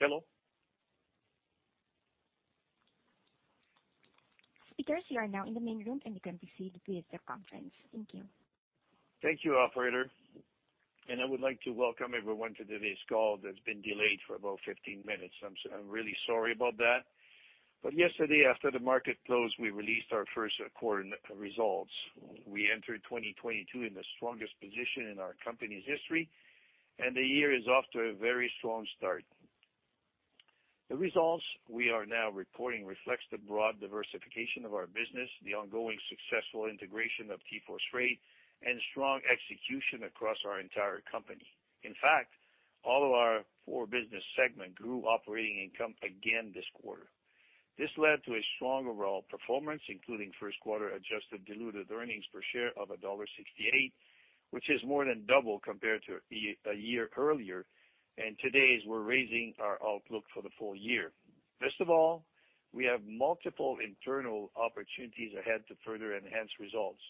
Hello. Speakers, you are now in the main room, and you can proceed with the conference. Thank you. Thank you, operator. I would like to welcome everyone to today's call that's been delayed for about 15 minutes. I'm really sorry about that. Yesterday, after the market closed, we released our first quarter results. We entered 2022 in the strongest position in our company's history, and the year is off to a very strong start. The results we are now reporting reflects the broad diversification of our business, the ongoing successful integration of TForce Freight, and strong execution across our entire company. In fact, all of our four business segment grew operating income again this quarter. This led to a strong overall performance, including first quarter adjusted diluted earnings per share of $1.68, which is more than double compared to a year earlier. Today, we're raising our outlook for the full year. Best of all, we have multiple internal opportunities ahead to further enhance results.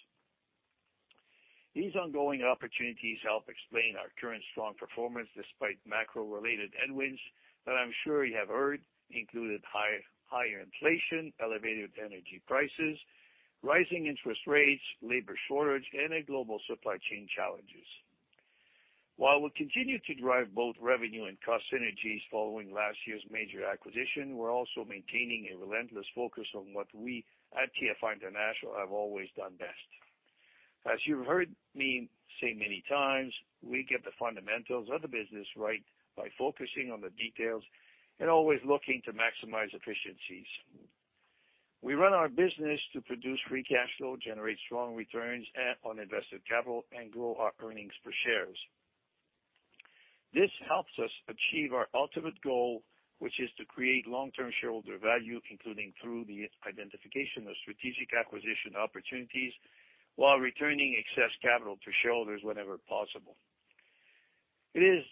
These ongoing opportunities help explain our current strong performance despite macro-related headwinds that I'm sure you have heard about, included higher inflation, elevated energy prices, rising interest rates, labor shortage, and a global supply chain challenges. While we'll continue to drive both revenue and cost synergies following last year's major acquisition, we're also maintaining a relentless focus on what we at TFI International have always done best. As you've heard me say many times, we get the fundamentals of the business right by focusing on the details and always looking to maximize efficiencies. We run our business to produce free cash flow, generate strong returns on invested capital, and grow our earnings per share. This helps us achieve our ultimate goal, which is to create long-term shareholder value, including through the identification of strategic acquisition opportunities while returning excess capital to shareholders whenever possible. It is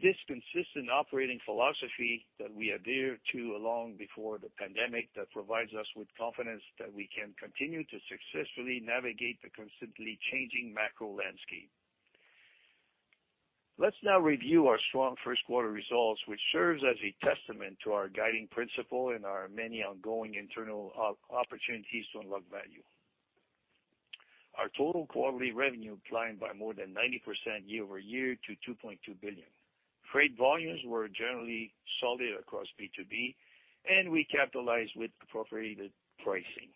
this consistent operating philosophy that we adhere to and long before the pandemic that provides us with confidence that we can continue to successfully navigate the constantly changing macro landscape. Let's now review our strong first quarter results, which serves as a testament to our guiding principle and our many ongoing internal opportunities to unlock value. Our total quarterly revenue climbed by more than 90% year-over-year to $2.2 billion. Freight volumes were generally solid across B2B, and we capitalized with appropriate pricing.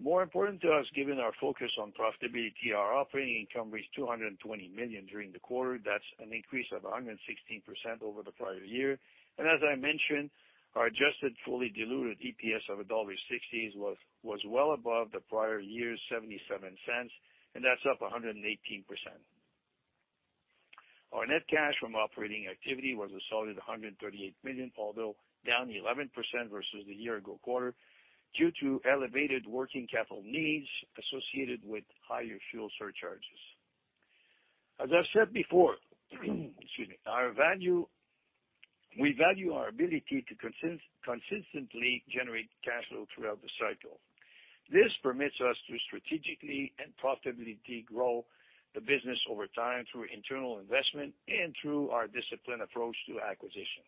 More important to us, given our focus on profitability, our operating income reached $220 million during the quarter. That's an increase of 116% over the prior year. As I mentioned, our adjusted fully diluted EPS of $1.60 was well above the prior year's $0.77, and that's up 118%. Our net cash from operating activity was a solid $138 million, although down 11% versus the year ago quarter due to elevated working capital needs associated with higher fuel surcharges. As I've said before, excuse me, we value our ability to consistently generate cash flow throughout the cycle. This permits us to strategically and profitably grow the business over time through internal investment and through our disciplined approach to acquisition.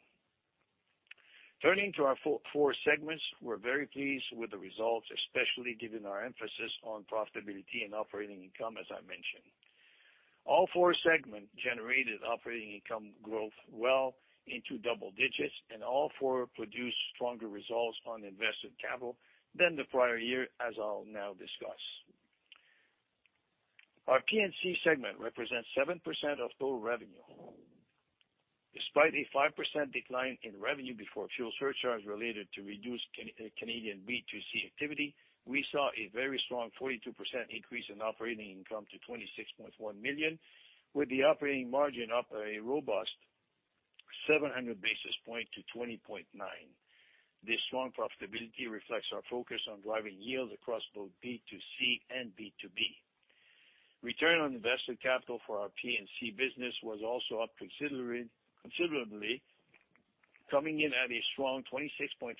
Turning to our four segments, we're very pleased with the results, especially given our emphasis on profitability and operating income, as I mentioned. All four segments generated operating income growth well into double digits, and all four produced stronger results on invested capital than the prior year, as I'll now discuss. Our P&C segment represents 7% of total revenue. Despite a 5% decline in revenue before fuel surcharge related to reduced Canadian B2C activity, we saw a very strong 42% increase in operating income to $26.1 million, with the operating margin up a robust 700 basis points to 20.9%. This strong profitability reflects our focus on driving yields across both B2C and B2B. Return on invested capital for our P&C business was also up considerably coming in at a strong 26.4%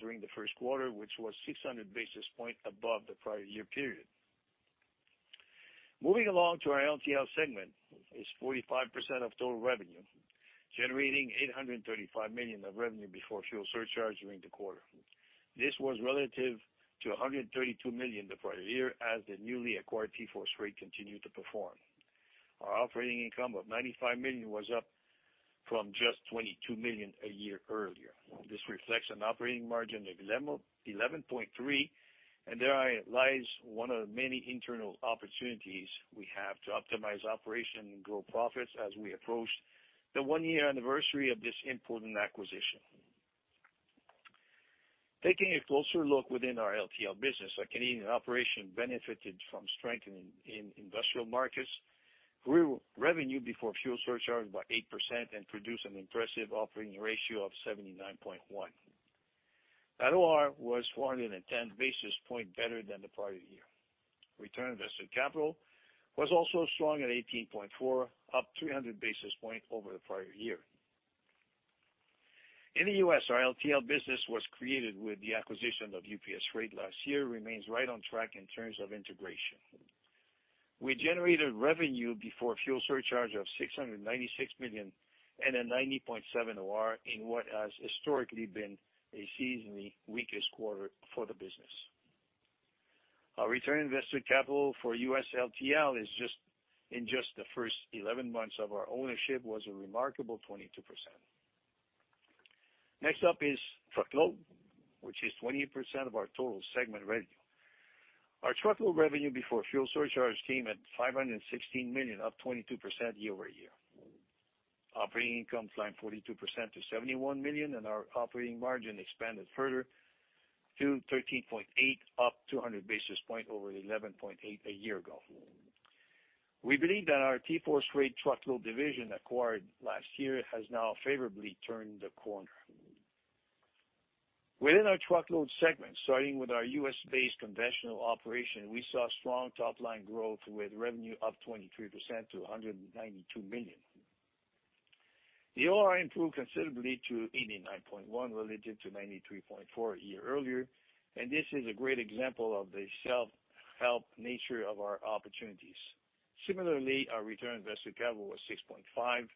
during the first quarter, which was 600 basis points above the prior year period. Moving along to our LTL segment is 45% of total revenue, generating $835 million of revenue before fuel surcharge during the quarter. This was relative to $132 million the prior year as the newly acquired TForce Freight continued to perform. Our operating income of $95 million was up from just $22 million a year earlier. This reflects an operating margin of 11.3%, and therein lies one of the many internal opportunities we have to optimize operation and grow profits as we approach the one-year anniversary of this important acquisition. Taking a closer look within our LTL business, our Canadian operation benefited from strengthening in industrial markets, grew revenue before fuel surcharge by 8% and produced an impressive operating ratio of 79.1. That OR was 410 basis points better than the prior year. Return on invested capital was also strong at 18.4, up 300 basis points over the prior year. In the US, our LTL business was created with the acquisition of UPS Freight last year, remains right on track in terms of integration. We generated revenue before fuel surcharge of $696 million and a 90.7 OR in what has historically been a seasonally weakest quarter for the business. Our return on invested capital for US LTL is in just the first eleven months of our ownership was a remarkable 22%. Next up is truckload, which is 20% of our total segment revenue. Our truckload revenue before fuel surcharge came at $516 million, up 22% year-over-year. Operating income climbed 42% to $71 million, and our operating margin expanded further to 13.8%, up 200 basis points over the 11.8% a year ago. We believe that our TForce Freight truckload division acquired last year has now favorably turned the corner. Within our truckload segment, starting with our U.S.-based conventional operation, we saw strong top line growth with revenue up 23% to $192 million. The OR improved considerably to 89.1 relative to 93.4 a year earlier, and this is a great example of the self-help nature of our opportunities. Similarly, our return on invested capital was 6.5%,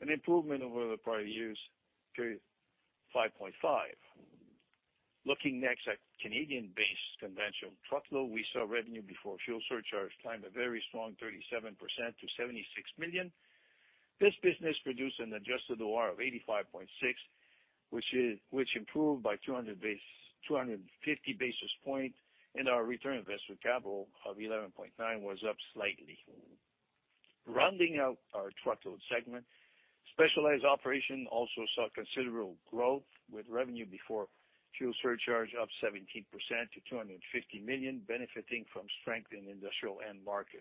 an improvement over the prior year's period 5.5%. Looking next at Canadian-based conventional truckload, we saw revenue before fuel surcharge climb a very strong 37% to $76 million. This business produced an adjusted OR of 85.6, which improved by 250 basis points, and our return on invested capital of 11.9 was up slightly. Rounding out our truckload segment, specialized operation also saw considerable growth with revenue before fuel surcharge up 17% to $250 million, benefiting from strength in industrial end market.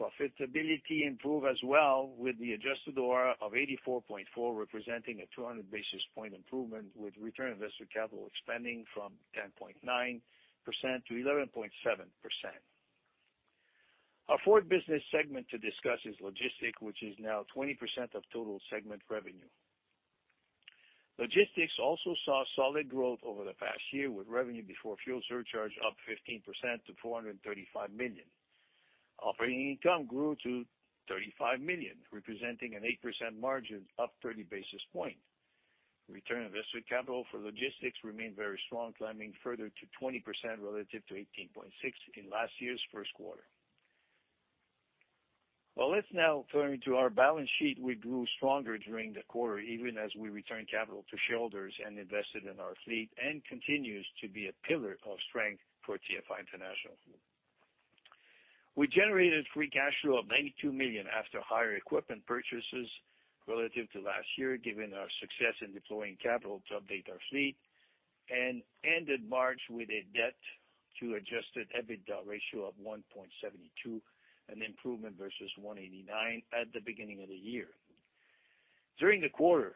Profitability improved as well with the adjusted OR of 84.4, representing a 200 basis point improvement with return on invested capital expanding from 10.9% to 11.7%. Our fourth business segment to discuss is logistics, which is now 20% of total segment revenue. Logistics also saw solid growth over the past year, with revenue before fuel surcharge up 15% to $435 million. Operating income grew to $35 million, representing an 8% margin, up 30 basis points. Return on invested capital for logistics remained very strong, climbing further to 20% relative to 18.6% in last year's first quarter. Well, let's now turn to our balance sheet, which grew stronger during the quarter, even as we returned capital to shareholders and invested in our fleet and continues to be a pillar of strength for TFI International. We generated free cash flow of $92 million after higher equipment purchases relative to last year, given our success in deploying capital to update our fleet, and ended March with a debt to adjusted EBITDA ratio of 1.72, an improvement versus 1.89 at the beginning of the year. During the quarter,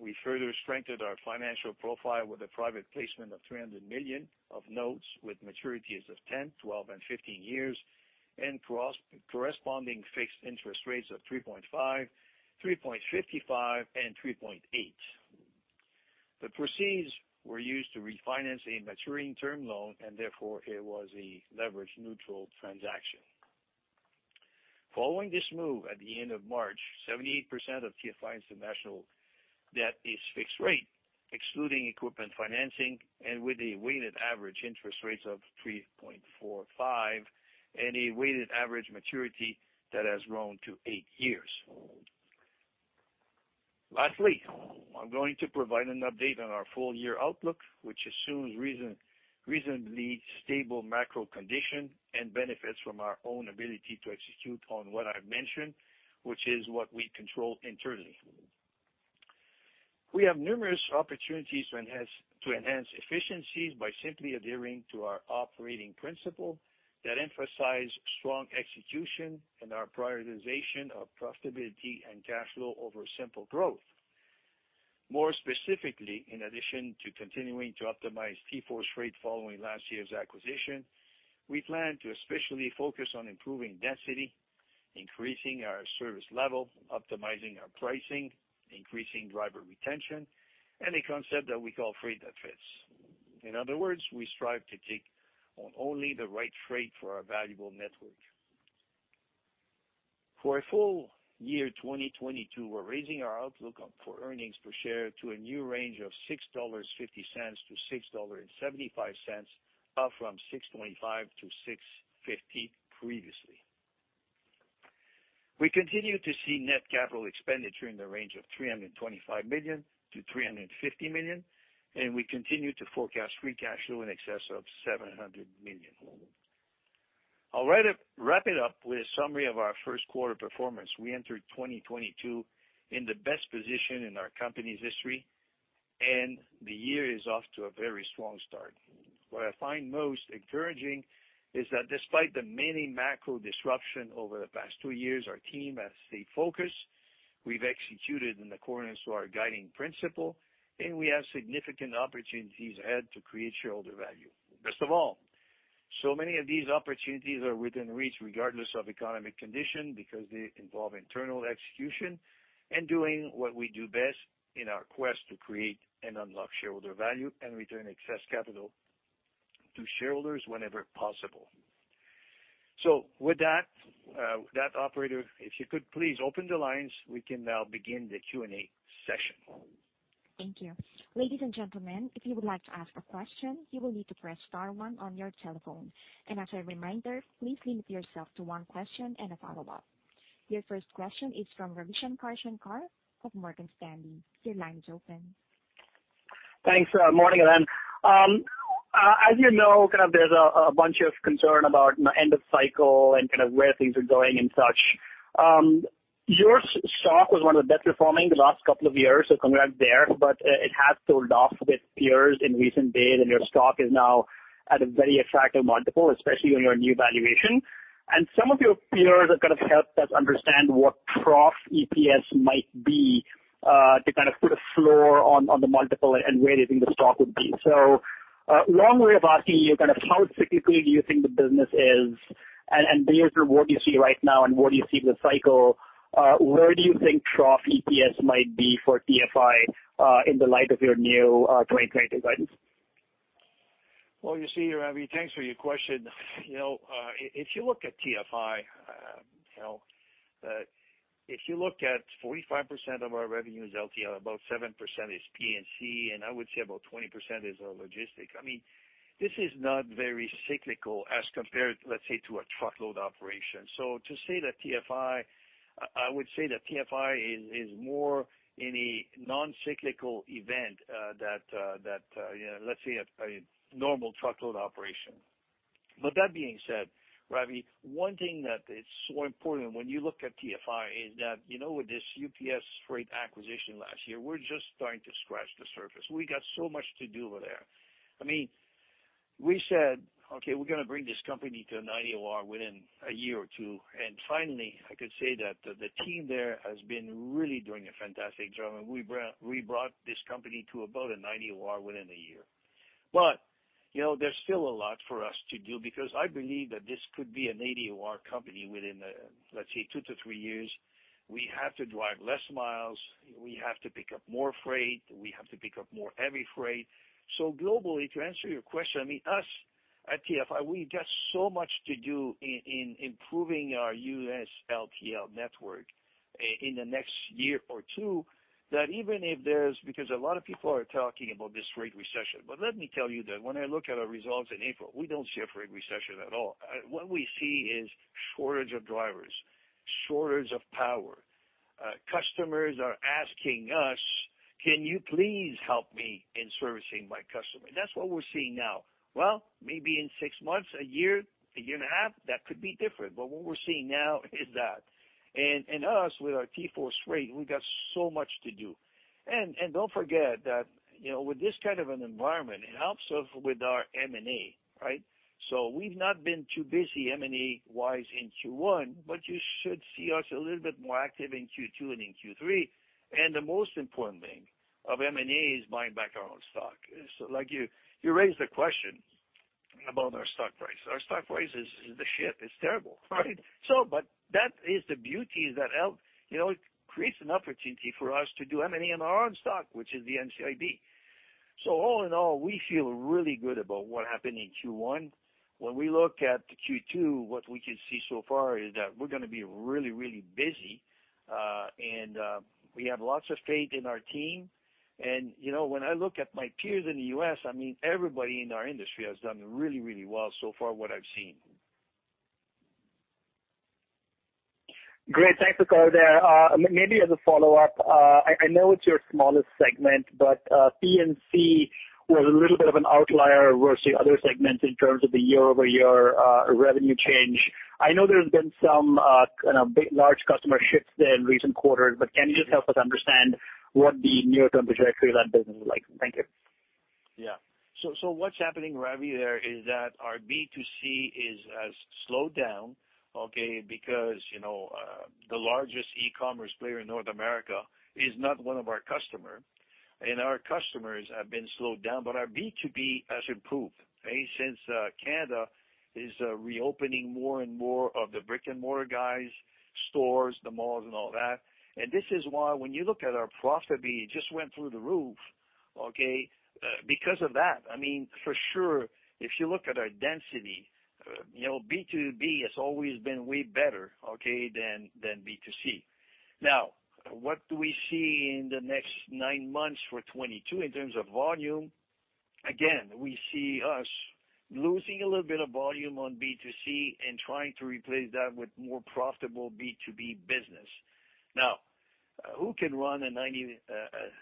we further strengthened our financial profile with a private placement of $300 million of notes with maturities of 10, 12, and 15 years and corresponding fixed interest rates of 3.5%, 3.55%, and 3.8%. The proceeds were used to refinance a maturing term loan, and therefore it was a leverage-neutral transaction. Following this move, at the end of March, 78% of TFI International debt is fixed rate, excluding equipment financing and with a weighted average interest rates of 3.45% and a weighted average maturity that has grown to eight years. Lastly, I'm going to provide an update on our full year outlook, which assumes reasonably stable macro condition and benefits from our own ability to execute on what I've mentioned, which is what we control internally. We have numerous opportunities to enhance efficiencies by simply adhering to our operating principle that emphasize strong execution and our prioritization of profitability and cash flow over simple growth. More specifically, in addition to continuing to optimize TForce Freight following last year's acquisition, we plan to especially focus on improving density, increasing our service level, optimizing our pricing, increasing driver retention, and a concept that we call freight that fits. In other words, we strive to take on only the right freight for our valuable network. For a full year 2022, we're raising our outlook up for earnings per share to a new range of $6.50-$6.75, up from $6.5-$6.50 previously. We continue to see net capital expenditure in the range of $325 million-$350 million, and we continue to forecast free cash flow in excess of $700 million. I'll wrap it up with a summary of our first quarter performance. We entered 2022 in the best position in our company's history, and the year is off to a very strong start. What I find most encouraging is that despite the many macro disruptions over the past two years, our team has stayed focused. We've executed in accordance to our guiding principle, and we have significant opportunities ahead to create shareholder value. Best of all, many of these opportunities are within reach regardless of economic condition, because they involve internal execution and doing what we do best in our quest to create and unlock shareholder value and return excess capital to shareholders whenever possible. With that, operator, if you could please open the lines, we can now begin the Q&A session. Thank you. Ladies and gentlemen, if you would like to ask a question, you will need to press star one on your telephone. As a reminder, please limit yourself to one question and a follow-up. Your first question is from Ravi Shanker of Morgan Stanley. Your line is open. Thanks. Morning, Alain. As you know, kind of there's a bunch of concern about end of cycle and kind of where things are going and such. Your stock was one of the best performing the last couple of years, so congrats there, but it has sold off with peers in recent days, and your stock is now at a very attractive multiple, especially on your new valuation. Some of your peers have kind of helped us understand what trough EPS might be, to kind of put a floor on the multiple and where you think the stock would be. Long way of asking you kind of how cyclical do you think the business is, and based on what you see right now and what you see in the cycle, where do you think trough EPS might be for TFI, in the light of your new 2020 guidance? Well, you see, Ravi, thanks for your question. You know, if you look at TFI, you know, if you look at 45% of our revenue is LTL, about 7% is P&C, and I would say about 20% is logistics. I mean, this is not very cyclical as compared, let's say, to a truckload operation. I would say that TFI is more in a non-cyclical environment than, you know, let's say a normal truckload operation, but that being said, Ravi, one thing that is so important when you look at TFI is that, you know, with this UPS Freight acquisition last year, we're just starting to scratch the surface. We got so much to do there. I mean, we said, "Okay, we're gonna bring this company to a 90 OR within a year or 2." Finally, I could say that the team there has been really doing a fantastic job. We brought this company to about a 90 OR within a year. You know, there's still a lot for us to do because I believe that this could be an 80 OR company within, let's say 2-3 years. We have to drive less miles. We have to pick up more freight. We have to pick up more heavy freight. Globally, to answer your question, I mean, us at TFI, we've got so much to do in improving our US LTL network in the next year or 2, that even if there's. Because a lot of people are talking about this freight recession. Let me tell you that when I look at our results in April, we don't see a freight recession at all. What we see is shortage of drivers, shortage of power. Customers are asking us, "Can you please help me in servicing my customer?" That's what we're seeing now. Well, maybe in six months, a year, a year and a half, that could be different, but what we're seeing now is that. Us, with our TForce Freight, we've got so much to do. Don't forget that, you know, with this kind of an environment, it helps us with our M&A, right? We've not been too busy M&A-wise in Q1, but you should see us a little bit more active in Q2 and in Q3. The most important thing of M&A is buying back our own stock. Like you raised the question about our stock price. Our stock price is the shit. It's terrible, right? That is the beauty. You know, it creates an opportunity for us to do M&A on our own stock, which is the NCIB. All in all, we feel really good about what happened in Q1. When we look at Q2, what we can see so far is that we're gonna be really, really busy. We have lots of faith in our team. You know, when I look at my peers in the U.S., I mean, everybody in our industry has done really, really well so far what I've seen. Great. Thanks for calling there. Maybe as a follow-up, I know it's your smallest segment, but P&C was a little bit of an outlier versus the other segments in terms of the year-over-year revenue change. I know there's been some kind of big, large customer shifts there in recent quarters, but can you just help us understand what the near-term trajectory of that business is like? Thank you. Yeah. What's happening, Ravi, there is that our B2C has slowed down, okay, because you know, the largest e-commerce player in North America is not one of our customer, and our customers have been slowed down. Our B2B has improved, okay? Canada is reopening more and more of the brick-and-mortar guys, stores, the malls and all that. This is why when you look at our profitability, it just went through the roof, okay, because of that. I mean, for sure, if you look at our density, you know, B2B has always been way better, okay, than B2C. Now, what do we see in the next nine months for 2022 in terms of volume? Again, we see us losing a little bit of volume on B2C and trying to replace that with more profitable B2B business. Now, who can run a 90,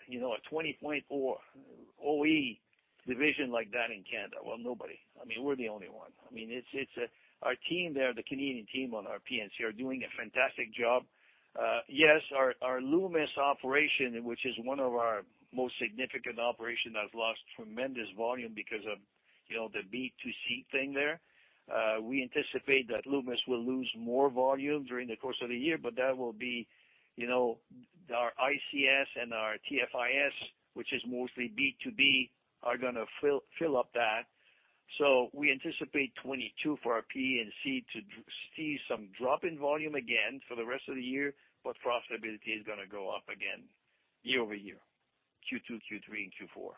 you know, a 20-point OR division like that in Canada? Well, nobody. I mean, we're the only one. I mean, it's a. Our team there, the Canadian team on our P&C, are doing a fantastic job. Yes, our Loomis operation, which is one of our most significant operation, has lost tremendous volume because of, you know, the B2C thing there. We anticipate that Loomis will lose more volume during the course of the year, but that will be. Our ICS and our TFIS, which is mostly B2B, are gonna fill up that. We anticipate 2022 for our P&C to see some drop in volume again for the rest of the year, but profitability is gonna go up again year-over-year, Q2, Q3, and Q4.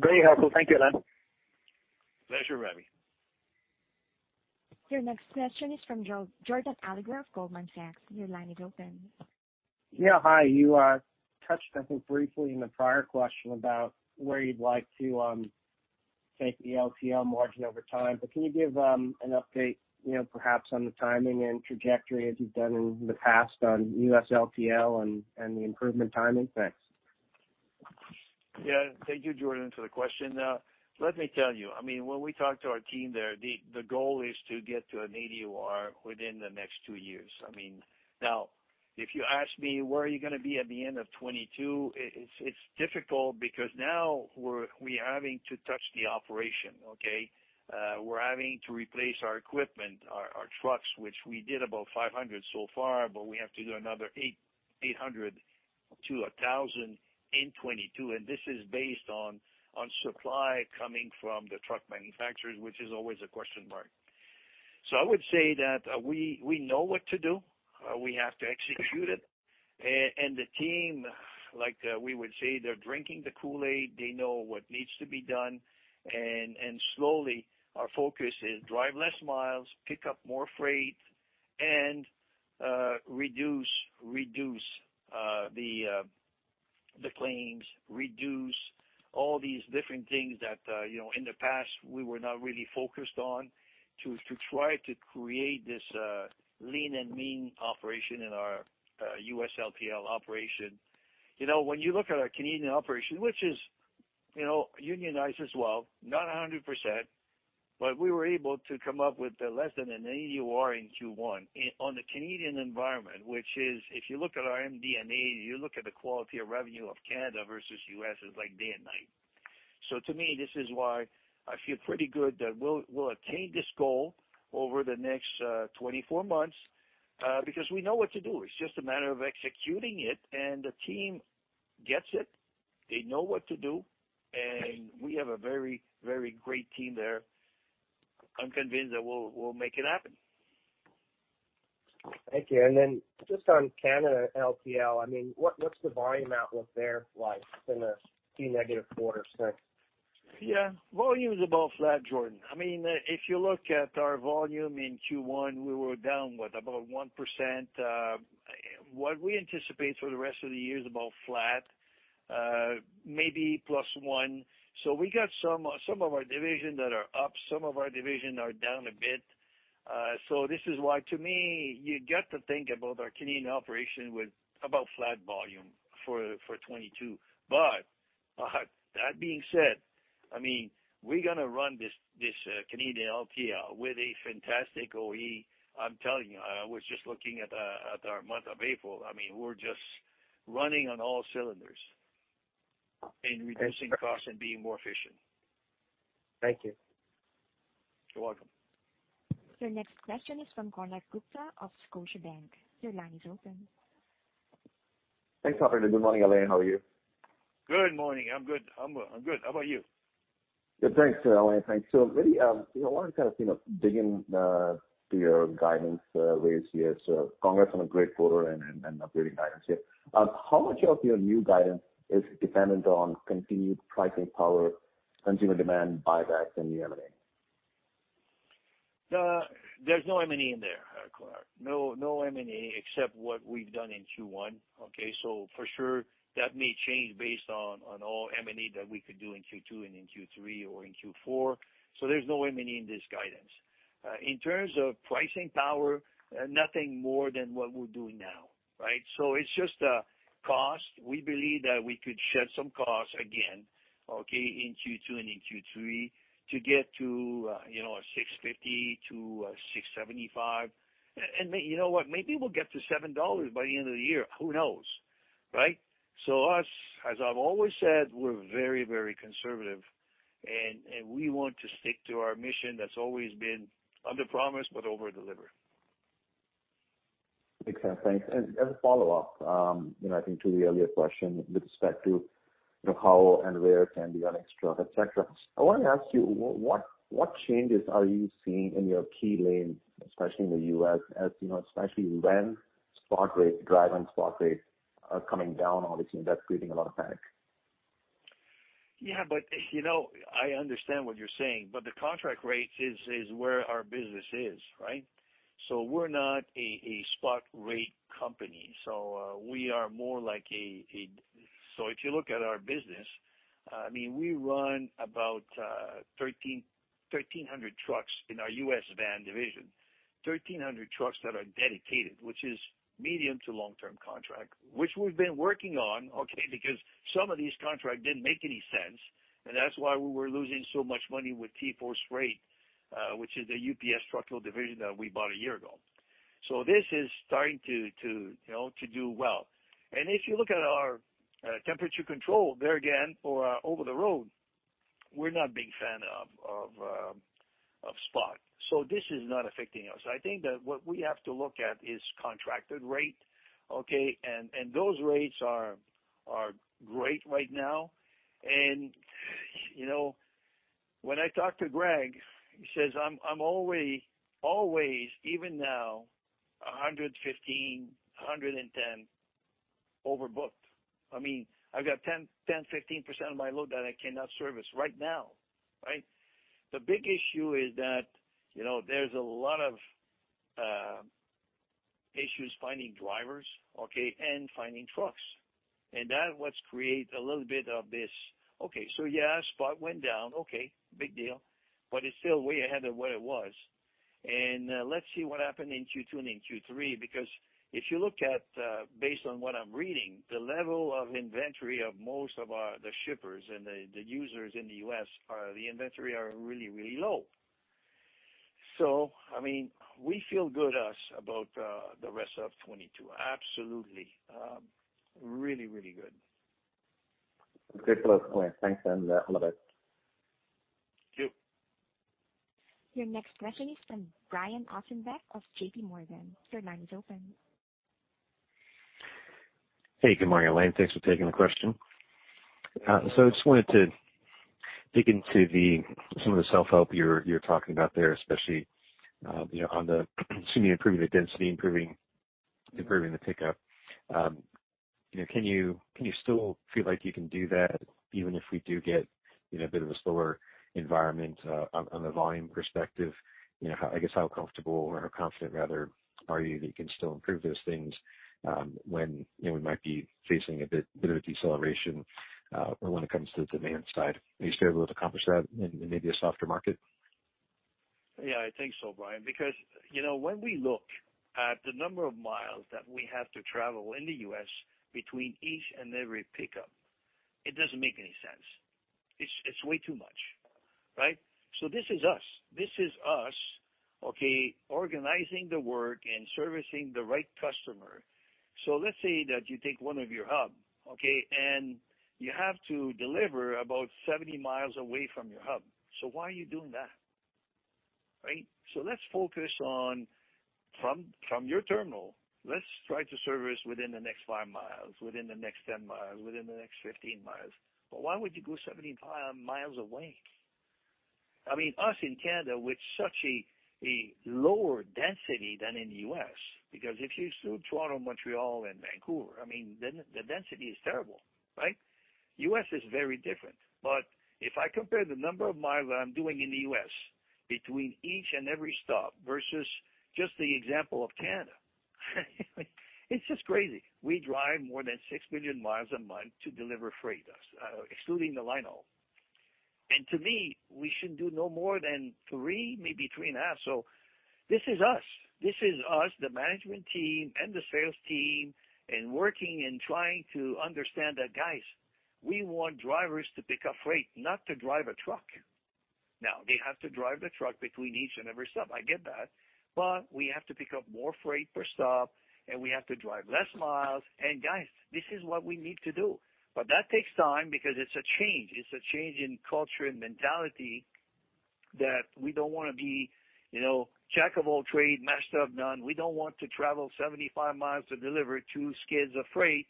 Very helpful. Thank you, Alain. Pleasure, Ravi. Your next question is from Jordan Alliger of Goldman Sachs. Your line is open. Hi. You touched, I think, briefly in the prior question about where you'd like to take the LTL margin over time, but can you give an update, you know, perhaps on the timing and trajectory as you've done in the past on US LTL and the improvement timing? Thanks. Thank you, Jordan, for the question. Let me tell you, I mean, when we talk to our team there, the goal is to get to an OR within the next two years. I mean, now, if you ask me, where are you gonna be at the end of 2022? It's difficult because now we're having to touch the operation, okay? We're having to replace our equipment, our trucks, which we did about 500 so far, but we have to do another 800 to 1,000 in 2022, and this is based on supply coming from the truck manufacturers, which is always a question mark. I would say that, we know what to do, we have to execute it. The team, like, we would say they're drinking the Kool-Aid. They know what needs to be done. Slowly, our focus is drive less miles, pick up more freight, and reduce the claims, reduce all these different things that you know, in the past we were not really focused on to try to create this lean and mean operation in our US LTL operation. You know, when you look at our Canadian operation, which is you know, unionized as well, not 100%, but we were able to come up with less than an 80 OR in Q1. On the Canadian environment, which is, if you look at our MD&A, you look at the quality of revenue of Canada versus U.S., it's like day and night. To me, this is why I feel pretty good that we'll attain this goal over the next 24 months, because we know what to do. It's just a matter of executing it, and the team gets it. They know what to do, and we have a very, very great team there. I'm convinced that we'll make it happen. Thank you. Just on Canada LTL, I mean, what's the volume outlook there like in a few negative quarters? Thanks. Yeah. Volume is about flat, Jordan. I mean, if you look at our volume in Q1, we were down, what, about 1%. What we anticipate for the rest of the year is about flat, maybe plus 1%. We got some of our divisions that are up, some of our divisions are down a bit. This is why, to me, you get to think about our Canadian operation with about flat volume for 2022. That being said, I mean, we're gonna run this Canadian LTL with a fantastic OR. I'm telling you, I was just looking at our month of April. I mean, we're just running on all cylinders in reducing costs and being more efficient. Thank you. You're welcome. Your next question is from Konark Gupta of Scotiabank. Your line is open. Thanks, operator. Good morning, Alain. How are you? Good morning. I'm good. How about you? Yeah, thanks, Alain. Thanks. Maybe, you know, I wanna kind of, you know, dig in to your guidance raised here. Congrats on a great quarter and upgraded guidance here. How much of your new guidance is dependent on continued pricing power, consumer demand, buyback and the M&A? There's no M&A in there, Konark. No M&A except what we've done in Q1, okay? For sure that may change based on all M&A that we could do in Q2 and in Q3 or in Q4. There's no M&A in this guidance. In terms of pricing power, nothing more than what we're doing now, right? It's just cost. We believe that we could shed some costs again, okay, in Q2 and in Q3 to get to, you know, $6.50-$6.75. You know what, maybe we'll get to $7 by the end of the year. Who knows, right? Us, as I've always said, we're very, very conservative and we want to stick to our mission that's always been under promise but over deliver. Makes sense. Thanks. As a follow-up, you know, I think to the earlier question with respect to, you know, how and where we can add extra, et cetera. I wanna ask you, what changes are you seeing in your key lanes, especially in the U.S., you know, especially when spot rate, dry van spot rate are coming down, obviously, and that's creating a lot of panic. I understand what you're saying, but the contract rates is where our business is, right? We're not a spot rate company. We are more like a... If you look at our business, I mean, we run about 1,300 trucks in our US van division. 1,300 trucks that are dedicated, which is medium to long-term contract, which we've been working on, okay, because some of these contracts didn't make any sense, and that's why we were losing so much money with TForce Freight, which is a UPS subsidiary that we bought a year ago. This is starting to do well. If you look at our temperature control there again or our over-the-road. We're not a big fan of spot. This is not affecting us. I think that what we have to look at is contracted rate, okay? Those rates are great right now. You know, when I talk to Greg, he says, "I'm always, even now, 110-115% overbooked. I mean, I've got 10-15% of my load that I cannot service right now," right? The big issue is that, you know, there's a lot of issues finding drivers, okay, and finding trucks. That's what's creating a little bit of this. Okay, yeah, spot went down. Okay, big deal. It's still way ahead of where it was. Let's see what happened in Q2 and in Q3, because if you look at based on what I'm reading, the level of inventory of most of our shippers and the users in the U.S. are really, really low. I mean, we feel good about the rest of 2022. Absolutely. Really, really good. Great. Well, okay. Thanks. I love it. Thank you. Your next question is from Brian Ossenbeck of JPMorgan. Your line is open. Hey, good morning, Alain. Thanks for taking the question. I just wanted to dig into some of the self-help you're talking about there, especially, you know, on the semi improving the density, improving the pickup. You know, can you still feel like you can do that even if we do get, you know, a bit of a slower environment on the volume perspective? You know, how, I guess, how comfortable or how confident rather are you that you can still improve those things, when, you know, we might be facing a bit of a deceleration, when it comes to the demand side? Are you still able to accomplish that in maybe a softer market? Yeah, I think so, Brian, because, you know, when we look at the number of miles that we have to travel in the U.S. between each and every pickup, it doesn't make any sense. It's way too much, right? This is us, okay, organizing the work and servicing the right customer. Let's say that you take one of your hub, okay? You have to deliver about 70 miles away from your hub. Why are you doing that, right? Let's focus on from your terminal, let's try to service within the next five miles, within the next 10 miles, within the next 15 miles. Why would you go 75 miles away? I mean, us in Canada with such a lower density than in the US, because if you exclude Toronto, Montreal, and Vancouver, I mean, then the density is terrible, right? US is very different. If I compare the number of miles that I'm doing in the US between each and every stop versus just the example of Canada, it's just crazy. We drive more than 6 million miles a month to deliver freight, us, excluding the line haul. To me, we should do no more than 3, maybe 3.5. This is us. This is us, the management team and the sales team, and working and trying to understand that, guys, we want drivers to pick up freight, not to drive a truck. Now, they have to drive the truck between each and every stop. I get that. We have to pick up more freight per stop, and we have to drive less miles. Guys, this is what we need to do. That takes time because it's a change. It's a change in culture and mentality that we don't wanna be, you know, jack of all trade, master of none. We don't want to travel 75 miles to deliver two skids of freight,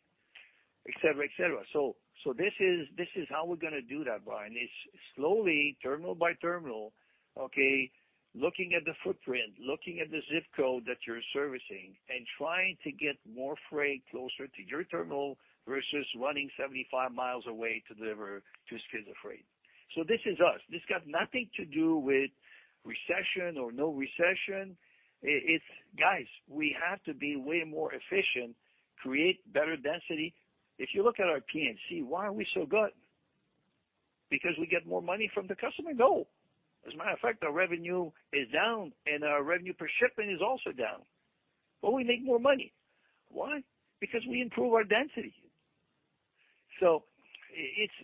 et cetera, et cetera. This is how we're gonna do that, Brian. It's slowly terminal by terminal, okay, looking at the footprint, looking at the ZIP code that you're servicing, and trying to get more freight closer to your terminal versus running 75 miles away to deliver two skids of freight. This is us. This got nothing to do with recession or no recession. Guys, we have to be way more efficient, create better density. If you look at our P&C, why are we so good? Because we get more money from the customer? No. As a matter of fact, our revenue is down, and our revenue per shipment is also down, but we make more money. Why? Because we improve our density.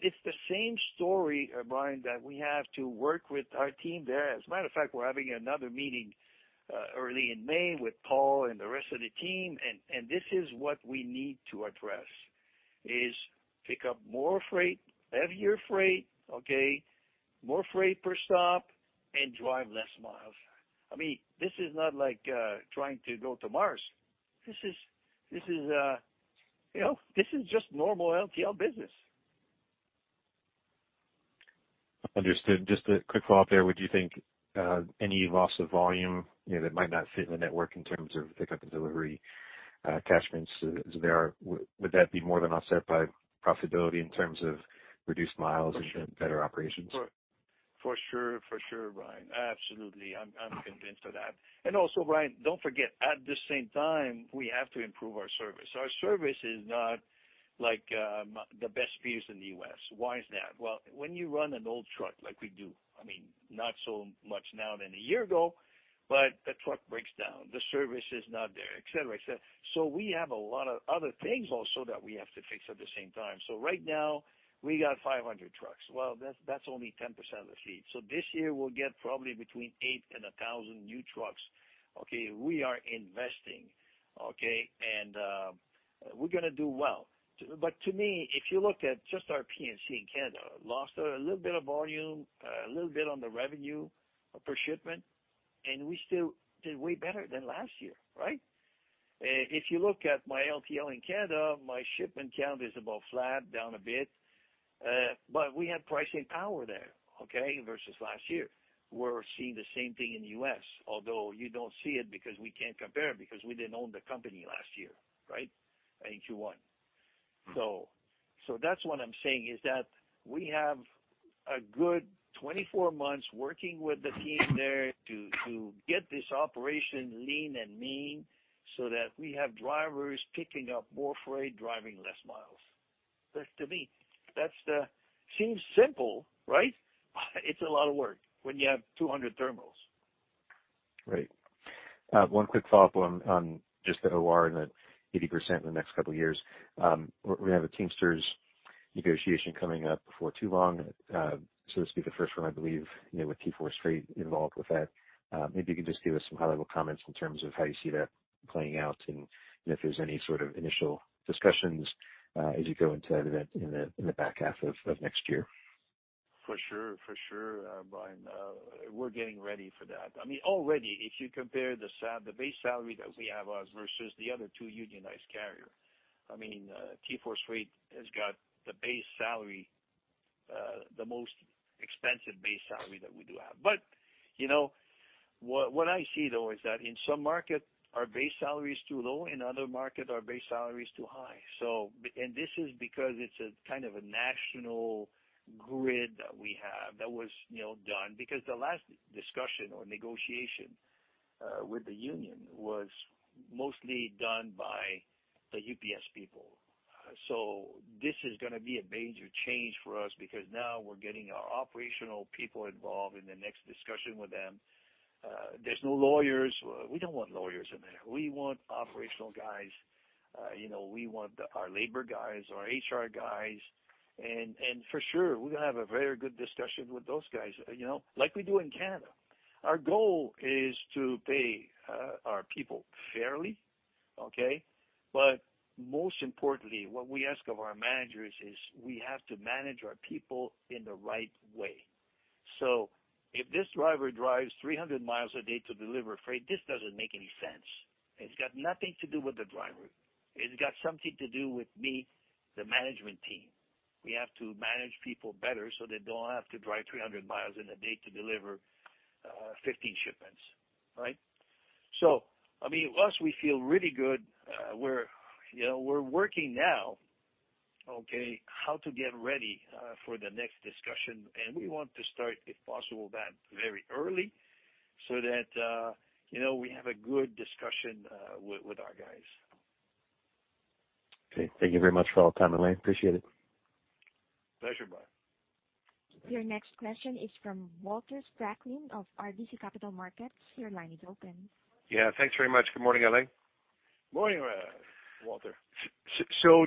It's the same story, Brian, that we have to work with our team there. As a matter of fact, we're having another meeting early in May with Paul and the rest of the team, and this is what we need to address, is pick up more freight, heavier freight, okay, more freight per stop and drive less miles. I mean, this is not like trying to go to Mars. This is, you know, this is just normal LTL business. Understood. Just a quick follow-up there. Would you think any loss of volume, you know, that might not fit in the network in terms of pickup and delivery, catchments is there? Would that be more than offset by profitability in terms of reduced miles and better operations? For sure. For sure, Brian. Absolutely. I'm convinced of that. Also, Brian, don't forget, at the same time, we have to improve our service. Our service is not like the best peers in the US. Why is that? Well, when you run an old truck like we do, I mean, not so much now than a year ago, but the truck breaks down, the service is not there, et cetera, et cetera. We have a lot of other things also that we have to fix at the same time. Right now we got 500 trucks. Well, that's only 10% of the fleet. This year we'll get probably between 800 and 1,000 new trucks. Okay. We are investing. Okay. We're gonna do well. To me, if you looked at just our P&C in Canada, lost a little bit of volume, a little bit on the revenue per shipment, and we still did way better than last year, right? If you look at my LTL in Canada, my shipment count is about flat, down a bit, but we have pricing power there, okay, versus last year. We're seeing the same thing in the U.S., although you don't see it because we can't compare because we didn't own the company last year, right? In Q1. That's what I'm saying is that we have a good 24 months working with the team there to get this operation lean and mean so that we have drivers picking up more freight, driving less miles. That to me seems simple, right? It's a lot of work when you have 200 terminals. Right. One quick follow-up on just the OR and the 80% in the next couple of years. We have a Teamsters negotiation coming up for TForce. This will be the first one, I believe, you know, with TForce Freight involved with that. Maybe you could just give us some high-level comments in terms of how you see that playing out and if there's any sort of initial discussions as you go into that in the back half of next year. For sure, Brian. We're getting ready for that. I mean, already, if you compare the base salary that we have versus the other two unionized carriers, I mean, TForce Freight has got the base salary, the most expensive base salary that we do have. You know, what I see, though, is that in some markets, our base salary is too low. In other markets, our base salary is too high. This is because it's a kind of a national grid that we have that was, you know, done because the last discussion or negotiation with the union was mostly done by the UPS people. This is gonna be a major change for us because now we're getting our operational people involved in the next discussion with them. There's no lawyers. We don't want lawyers in there. We want operational guys. You know, we want our labor guys, our HR guys. For sure, we're gonna have a very good discussion with those guys, you know, like we do in Canada. Our goal is to pay our people fairly, okay? Most importantly, what we ask of our managers is we have to manage our people in the right way. If this driver drives 300 miles a day to deliver freight, this doesn't make any sense. It's got nothing to do with the driver. It's got something to do with me, the management team. We have to manage people better, so they don't have to drive 300 miles in a day to deliver 15 shipments. Right? I mean, us, we feel really good. We're working now, okay, how to get ready for the next discussion. We want to start, if possible, that very early so that, you know, we have a good discussion with our guys. Okay. Thank you very much for all the time, Alain. Appreciate it. Pleasure, Brian. Your next question is from Walter Spracklin of RBC Capital Markets. Your line is open. Yeah. Thanks very much. Good morning, Alain. Morning, Walter.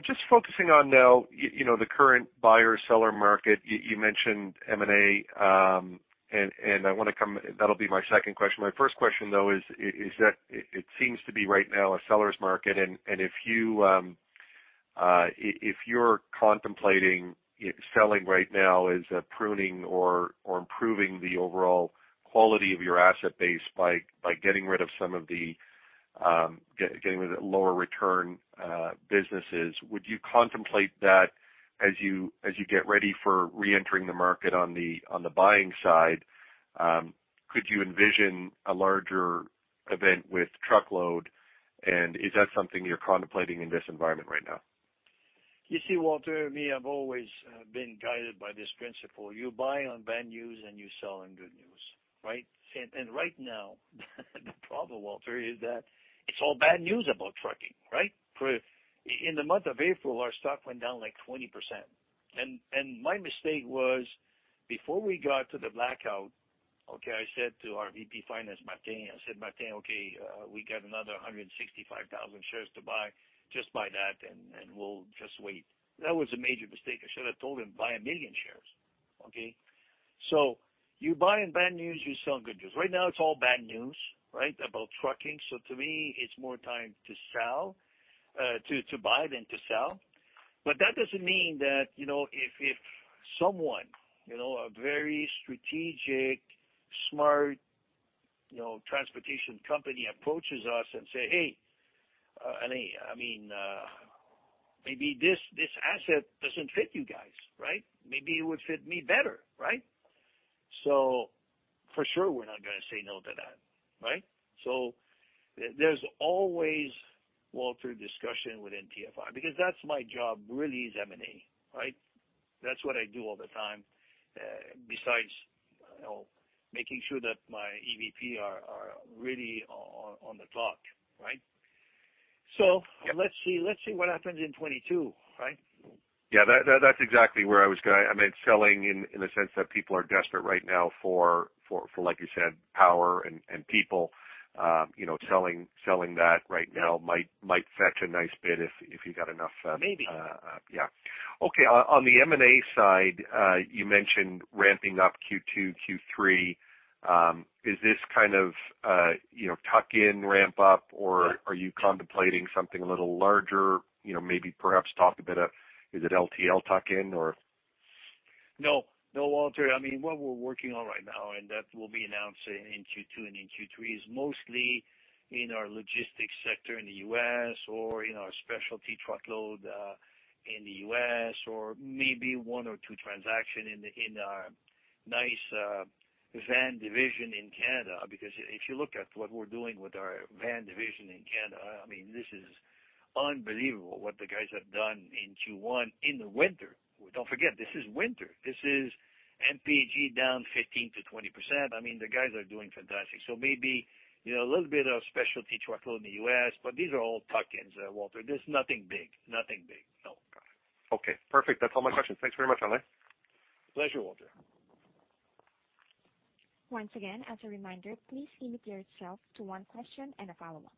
Just focusing on now, you know, the current buyer-seller market. You mentioned M&A. That'll be my second question. My first question, though, is that it seems to be right now a seller's market. If you're contemplating selling right now as a pruning or improving the overall quality of your asset base by getting rid of some of the lower return businesses, would you contemplate that as you get ready for reentering the market on the buying side? Could you envision a larger event with truckload? Is that something you're contemplating in this environment right now? You see, Walter, me, I've always been guided by this principle. You buy on bad news, and you sell on good news, right? Right now, the problem, Walter, is that it's all bad news about trucking, right? In the month of April, our stock went down, like, 20%. My mistake was before we got to the blackout, okay, I said to our VP finance, Martin. I said, "Martin, okay, we got another 165,000 shares to buy. Just buy that, and we'll just wait." That was a major mistake. I should have told him, "Buy 1 million shares." Okay? You buy on bad news, you sell on good news. Right now it's all bad news, right, about trucking. To me, it's more time to buy than to sell. That doesn't mean that, you know, if someone, you know, a very strategic, smart, you know, transportation company approaches us and say, "Hey, Alain, I mean, maybe this asset doesn't fit you guys, right? Maybe it would fit me better, right?" For sure, we're not gonna say no to that, right? There's always, Walter, discussion within TFI, because that's my job, really, is M&A, right? That's what I do all the time, besides, you know, making sure that my EVP are really on the clock, right? Let's see what happens in 2022, right? Yeah. That's exactly where I was going. I meant selling in the sense that people are desperate right now for, like you said, power and people. You know, selling that right now might fetch a nice bid if you got enough. Maybe. Yeah. Okay. On the M&A side, you mentioned ramping up Q2, Q3. Is this kind of, you know, tuck in ramp up, or are you contemplating something a little larger? You know, maybe perhaps talk a bit. Is it LTL tuck in, or? No, Walter. I mean, what we're working on right now, and that will be announced in Q2 and in Q3, is mostly in our logistics sector in the U.S. or in our specialty truckload in the U.S. or maybe one or two transaction in our niche van division in Canada, because if you look at what we're doing with our van division in Canada, I mean, this is unbelievable what the guys have done in Q1, in the winter. Don't forget, this is winter. This is MPG down 15%-20%. I mean, the guys are doing fantastic, so maybe, you know, a little bit of specialty truckload in the U.S., but these are all tuck-ins, Walter. There's nothing big. Nothing big, no. Okay. Perfect. That's all my questions. Thanks very much, Alain. Pleasure, Walter. Once again, as a reminder, please limit yourself to one question and a follow-up.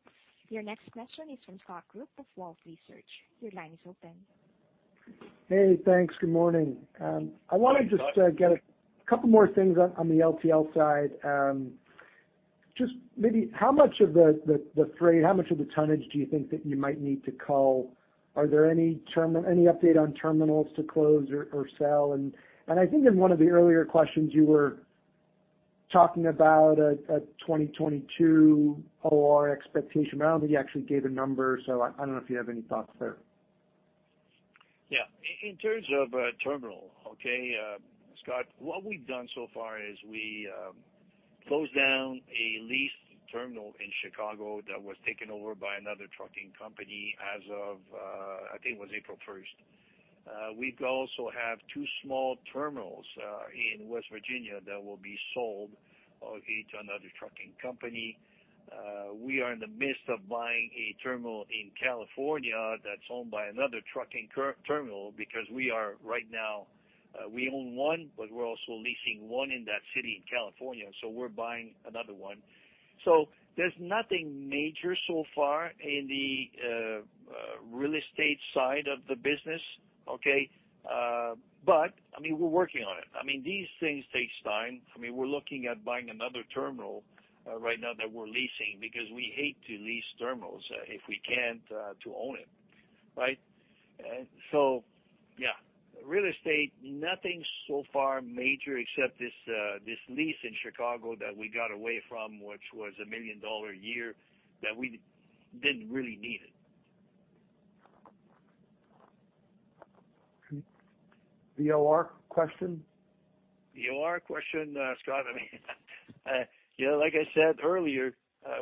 Your next question is from Scott Group of Wolfe Research. Your line is open. Hey, thanks. Good morning. Hey, Scott. I wanna just get a couple more things on the LTL side. Just maybe how much of the freight, how much of the tonnage do you think that you might need to cull? Any update on terminals to close or sell? I think in one of the earlier questions, you were talking about a 2022 OR expectation, but I don't think you actually gave a number. I don't know if you have any thoughts there. Yeah. In terms of a terminal, okay, Scott, what we've done so far is we closed down a leased terminal in Chicago that was taken over by another trucking company as of, I think it was April first. We also have two small terminals in West Virginia that will be sold, okay, to another trucking company. We are in the midst of buying a terminal in California that's owned by another trucking company's terminal because we are right now, we own one, but we're also leasing one in that city in California, so we're buying another one. There's nothing major so far in the real estate side of the business, okay? I mean, we're working on it. I mean, these things take time. I mean, we're looking at buying another terminal right now that we're leasing because we hate to lease terminals if we can't to own it, right? Yeah. Real estate, nothing so far major except this lease in Chicago that we got away from, which was $1 million a year that we didn't really need it. Okay. The OR question? The OR question, Scott, I mean, you know, like I said earlier,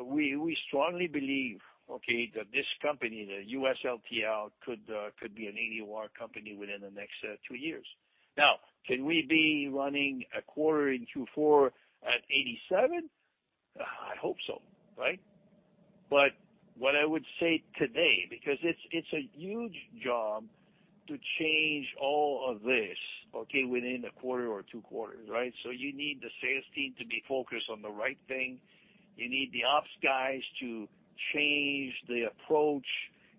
we strongly believe, okay, that this company, the US LTL could be an 80 OR company within the next two years. Now, can we be running a quarter in Q4 at 87? I hope so, right? What I would say today, because it's a huge job to change all of this, okay, within a quarter or two quarters, right? You need the sales team to be focused on the right thing. You need the ops guys to change the approach,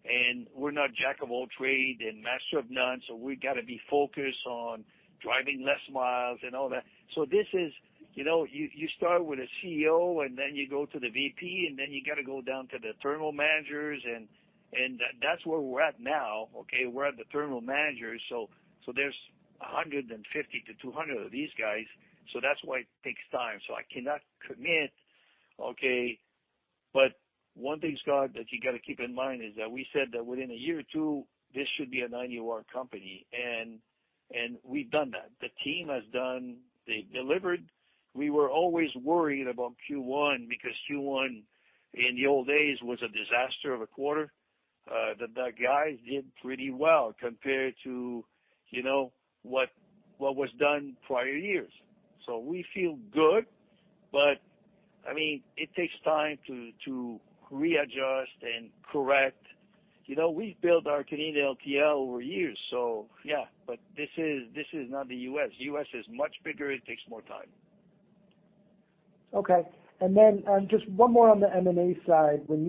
and we're not jack of all trades and master of none, so we gotta be focused on driving less miles and all that. This is, you know, you start with a CEO, and then you go to the VP, and then you gotta go down to the terminal managers, and that's where we're at now, okay? We're at the terminal managers. There's 150 to 200 of these guys, so that's why it takes time. I cannot commit, okay, but one thing, Scott, that you gotta keep in mind is that we said that within a year or two, this should be a 90 OR company, and we've done that. The team has done. They delivered. We were always worried about Q1 because Q1, in the old days, was a disaster of a quarter. The guys did pretty well compared to, you know, what was done prior years. We feel good, but, I mean, it takes time to readjust and correct. You know, we've built our Canadian LTL over years, so yeah. This is not the U.S. U.S. is much bigger. It takes more time. Okay. Just one more on the M&A side. When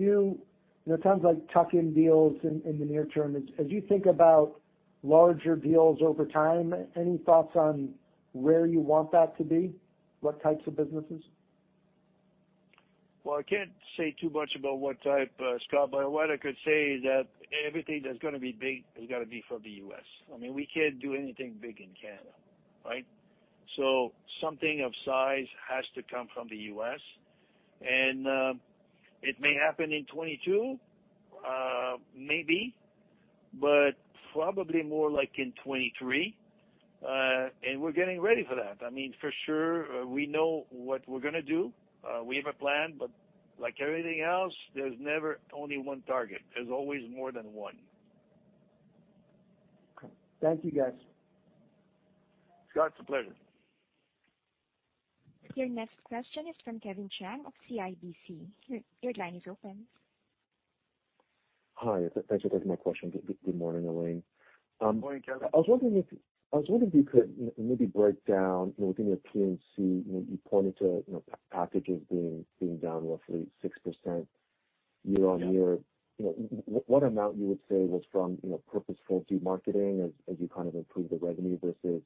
you know, it sounds like tuck-in deals in the near term. As you think about larger deals over time, any thoughts on where you want that to be? What types of businesses? Well, I can't say too much about what type, Scott, but what I could say is that everything that's gonna be big has gotta be from the US. I mean, we can't do anything big in Canada, right? Something of size has to come from the US. It may happen in 2022, maybe, but probably more like in 2023. We're getting ready for that. I mean, for sure, we know what we're gonna do. We have a plan, but like everything else, there's never only one target. There's always more than one. Okay. Thank you, guys. Scott, it's a pleasure. Your next question is from Kevin Chiang of CIBC. Your line is open. Hi, thanks for taking my question. Good morning, Alain. Morning, Kevin. I was wondering if you could maybe break down, you know, within your P&C, you know, you pointed to, you know, packages being down roughly 6% year-on-year, you know, what amount you would say was from, you know, purposeful demarketing as you kind of improved the revenue versus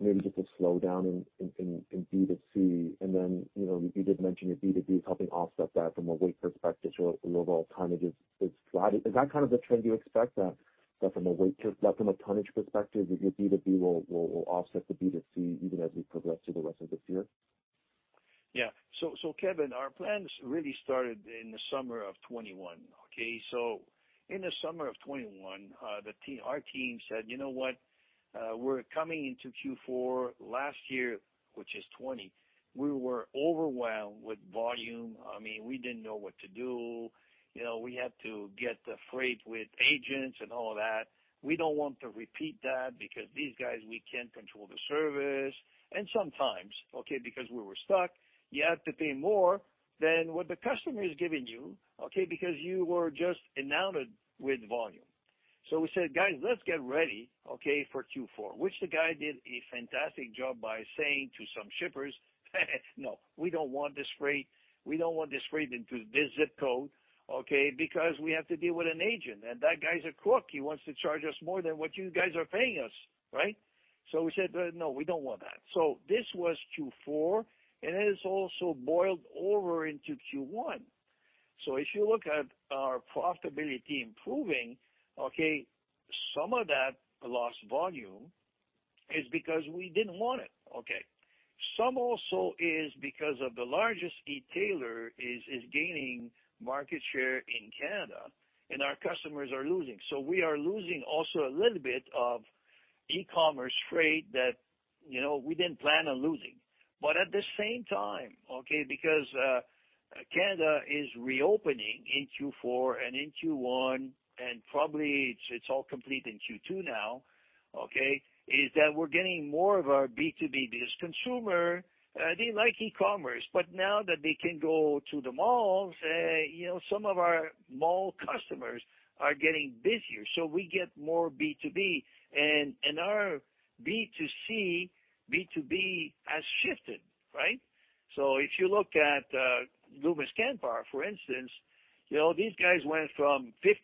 maybe just a slowdown in B2C? And then, you know, you did mention your B2B is helping offset that from a weight perspective. Your overall tonnage is flat. Is that kind of the trend you expect, that from a tonnage perspective, your B2B will offset the B2C even as we progress through the rest of this year? Yeah. Kevin, our plans really started in the summer of 2021, okay? In the summer of 2021, the team, our team said, "You know what? We're coming into Q4. Last year, which is 2020, we were overwhelmed with volume. I mean, we didn't know what to do. You know, we had to get the freight with agents and all of that. We don't want to repeat that because these guys, we can't control the service." Sometimes, okay, because we were stuck, you had to pay more than what the customer is giving you, okay, because you were just inundated with volume. We said, "Guys, let's get ready, okay, for Q4," which the guy did a fantastic job by saying to some shippers, "No, we don't want this freight. We don't want this freight into this ZIP code, okay, because we have to deal with an agent. That guy's a crook. He wants to charge us more than what you guys are paying us," right? We said, "no, we don't want that." This was Q4, and it has also boiled over into Q1. If you look at our profitability improving, okay, some of that lost volume is because we didn't want it, okay? Some also is because the largest e-tailer is gaining market share in Canada, and our customers are losing. We are losing also a little bit of e-commerce freight that, you know, we didn't plan on losing. At the same time, okay, because Canada is reopening in Q4 and in Q1, and probably it's all complete in Q2 now, okay, is that we're getting more of our B2B business. Consumer, they like e-commerce, but now that they can go to the malls, you know, some of our mall customers are getting busier. We get more B2B. Our B2C, B2B has shifted, right? If you look at Loomis and Canpar, for instance, you know, these guys went from 56%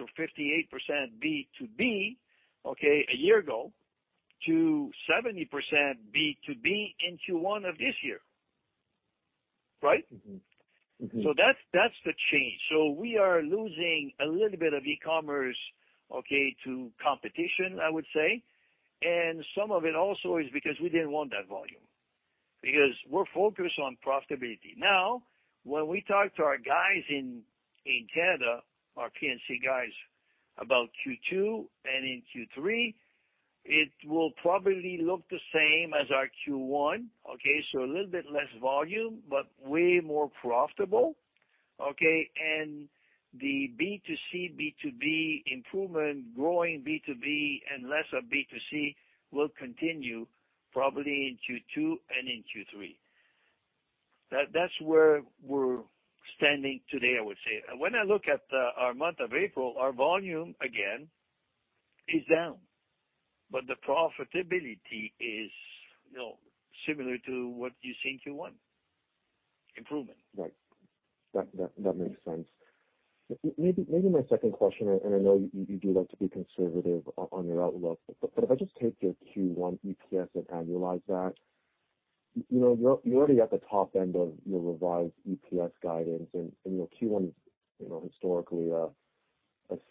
or 58% B2B, okay, a year ago to 70% B2B in Q1 of this year, right? Mm-hmm. Mm-hmm. That's the change. We are losing a little bit of e-commerce, okay, to competition, I would say. Some of it also is because we didn't want that volume because we're focused on profitability. Now, when we talk to our guys in Canada, our P&C guys about Q2 and Q3, it will probably look the same as our Q1, okay? A little bit less volume, but way more profitable, okay? The B2C, B2B improvement, growing B2B and less of B2C will continue probably in Q2 and Q3. That's where we're standing today, I would say. When I look at our month of April, our volume again is down, but the profitability is, you know, similar to what you see in Q1, improvement. Right. That makes sense. Maybe my second question, and I know you do like to be conservative on your outlook, but if I just take your Q1 EPS and annualize that, you know, you're already at the top end of your revised EPS guidance. You know, Q1 is historically a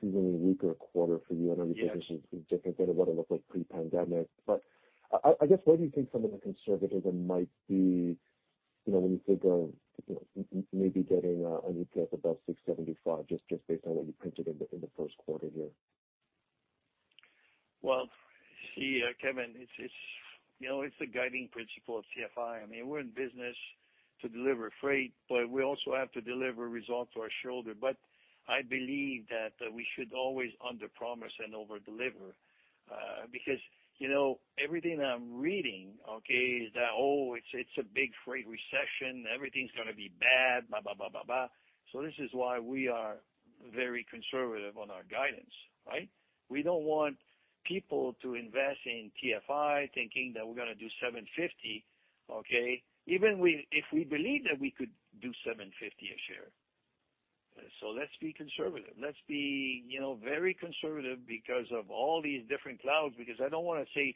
seasonally weaker quarter for you. Yes. I know this year is different than what it looked like pre-pandemic, but I guess, where do you think some of the conservatism might be, you know, when you think of, you know, maybe getting an EPS above 675 just based on what you printed in the first quarter here? Well, see, Kevin, it's you know, it's the guiding principle of TFI. I mean, we're in business to deliver freight, but we also have to deliver results to our shareholder. I believe that we should always underpromise and overdeliver because you know, everything I'm reading, okay, is that it's a big freight recession. Everything's gonna be bad, blah, blah, blah. This is why we are very conservative on our guidance, right? We don't want people to invest in TFI thinking that we're gonna do $7.50, okay? Even if we believe that we could do $7.50 a share. Let's be conservative. Let's be, you know, very conservative because of all these different clouds, because I don't wanna say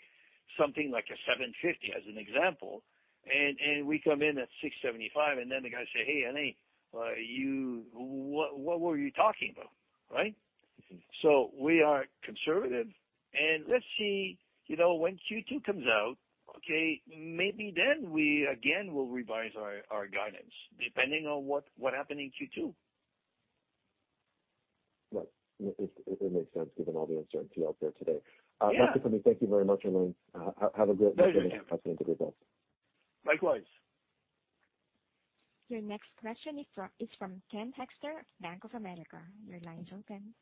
something like a $7.50 as an example, and we come in at $6.75, and then the guy say, "Hey, Alain, what were you talking about," right? Mm-hmm. We are conservative, and let's see, you know, when Q2 comes out, okay, maybe then we again will revise our guidance depending on what happened in Q2. Right. It makes sense given all the uncertainty out there today. Yeah. Thanks for coming. Thank you very much, Alain. Thank you, Kevin. Have a good rest of the day as well. Likewise. Your next question is from Ken Hoexter of Bank of America. Your line is open.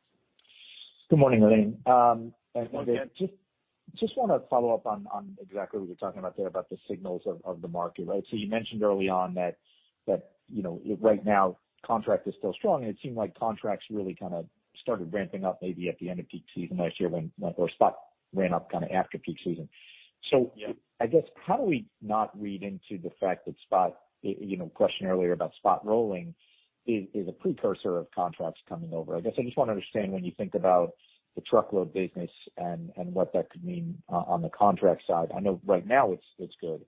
Good morning, Alain. Good morning, Ken. Just wanna follow up on exactly what you were talking about there about the signals of the market, right? You mentioned early on that you know, right now contract is still strong, and it seemed like contracts really kinda started ramping up maybe at the end of peak season last year when spot ran up kinda after peak season. I guess how do we not read into the fact that spot, you know, question earlier about spot rolling is a precursor of contracts coming over. I guess I just wanna understand when you think about the truckload business and what that could mean on the contract side. I know right now it's good.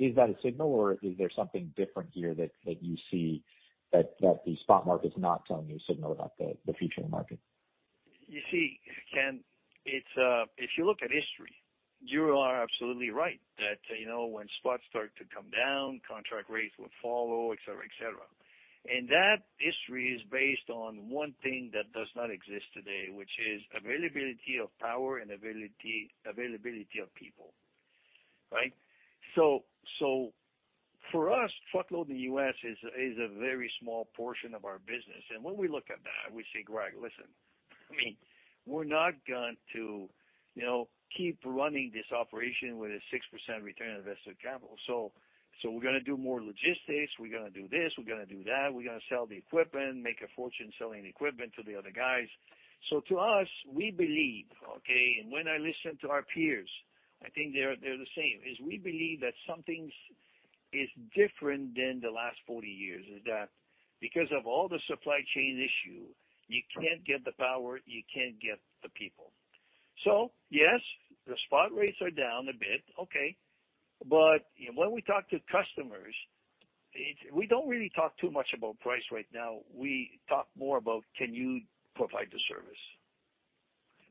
Is that a signal, or is there something different here that you see that the spot market's not telling you a signal about the future of the market? You see, Ken, it's if you look at history, you are absolutely right that, you know, when spots start to come down, contract rates will follow, et cetera, et cetera. That history is based on one thing that does not exist today, which is availability of power and availability of people, right? For us, truckload in the U.S. is a very small portion of our business. When we look at that, we say, "Greg, listen, I mean, we're not going to, you know, keep running this operation with a 6% return on invested capital." We're gonna do more logistics. We're gonna do this. We're gonna do that. We're gonna sell the equipment, make a fortune selling equipment to the other guys. To us, we believe, okay, and when I listen to our peers, I think they're the same. We believe that something is different than the last forty years. That is because of all the supply chain issue. You can't get the power. You can't get the people. Yes, the spot rates are down a bit, okay. When we talk to customers, we don't really talk too much about price right now. We talk more about can you provide the service.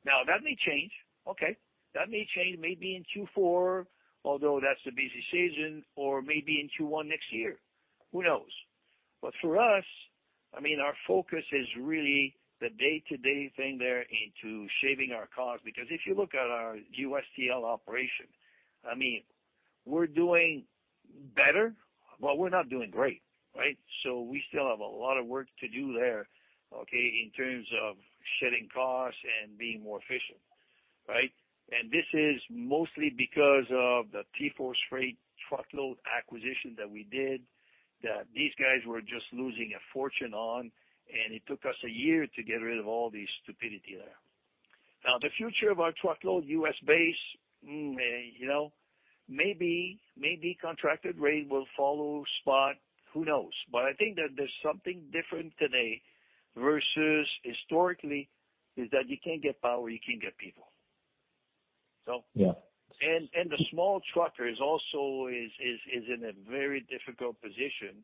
Now, that may change, okay. That may change maybe in Q4, although that's the busy season, or maybe in Q1 next year. Who knows? For us, I mean, our focus is really the day-to-day thing there into shaving our costs. Because if you look at our USTL operation, I mean, we're doing better, but we're not doing great, right? We still have a lot of work to do there, okay, in terms of shedding costs and being more efficient, right? This is mostly because of the TForce Freight truckload acquisition that we did, that these guys were just losing a fortune on, and it took us a year to get rid of all the stupidity there. Now, the future of our truckload US base, you know, maybe contracted rate will follow spot. Who knows? I think that there's something different today versus historically is that you can't get power, you can't get people. Yeah. The small trucker is also in a very difficult position.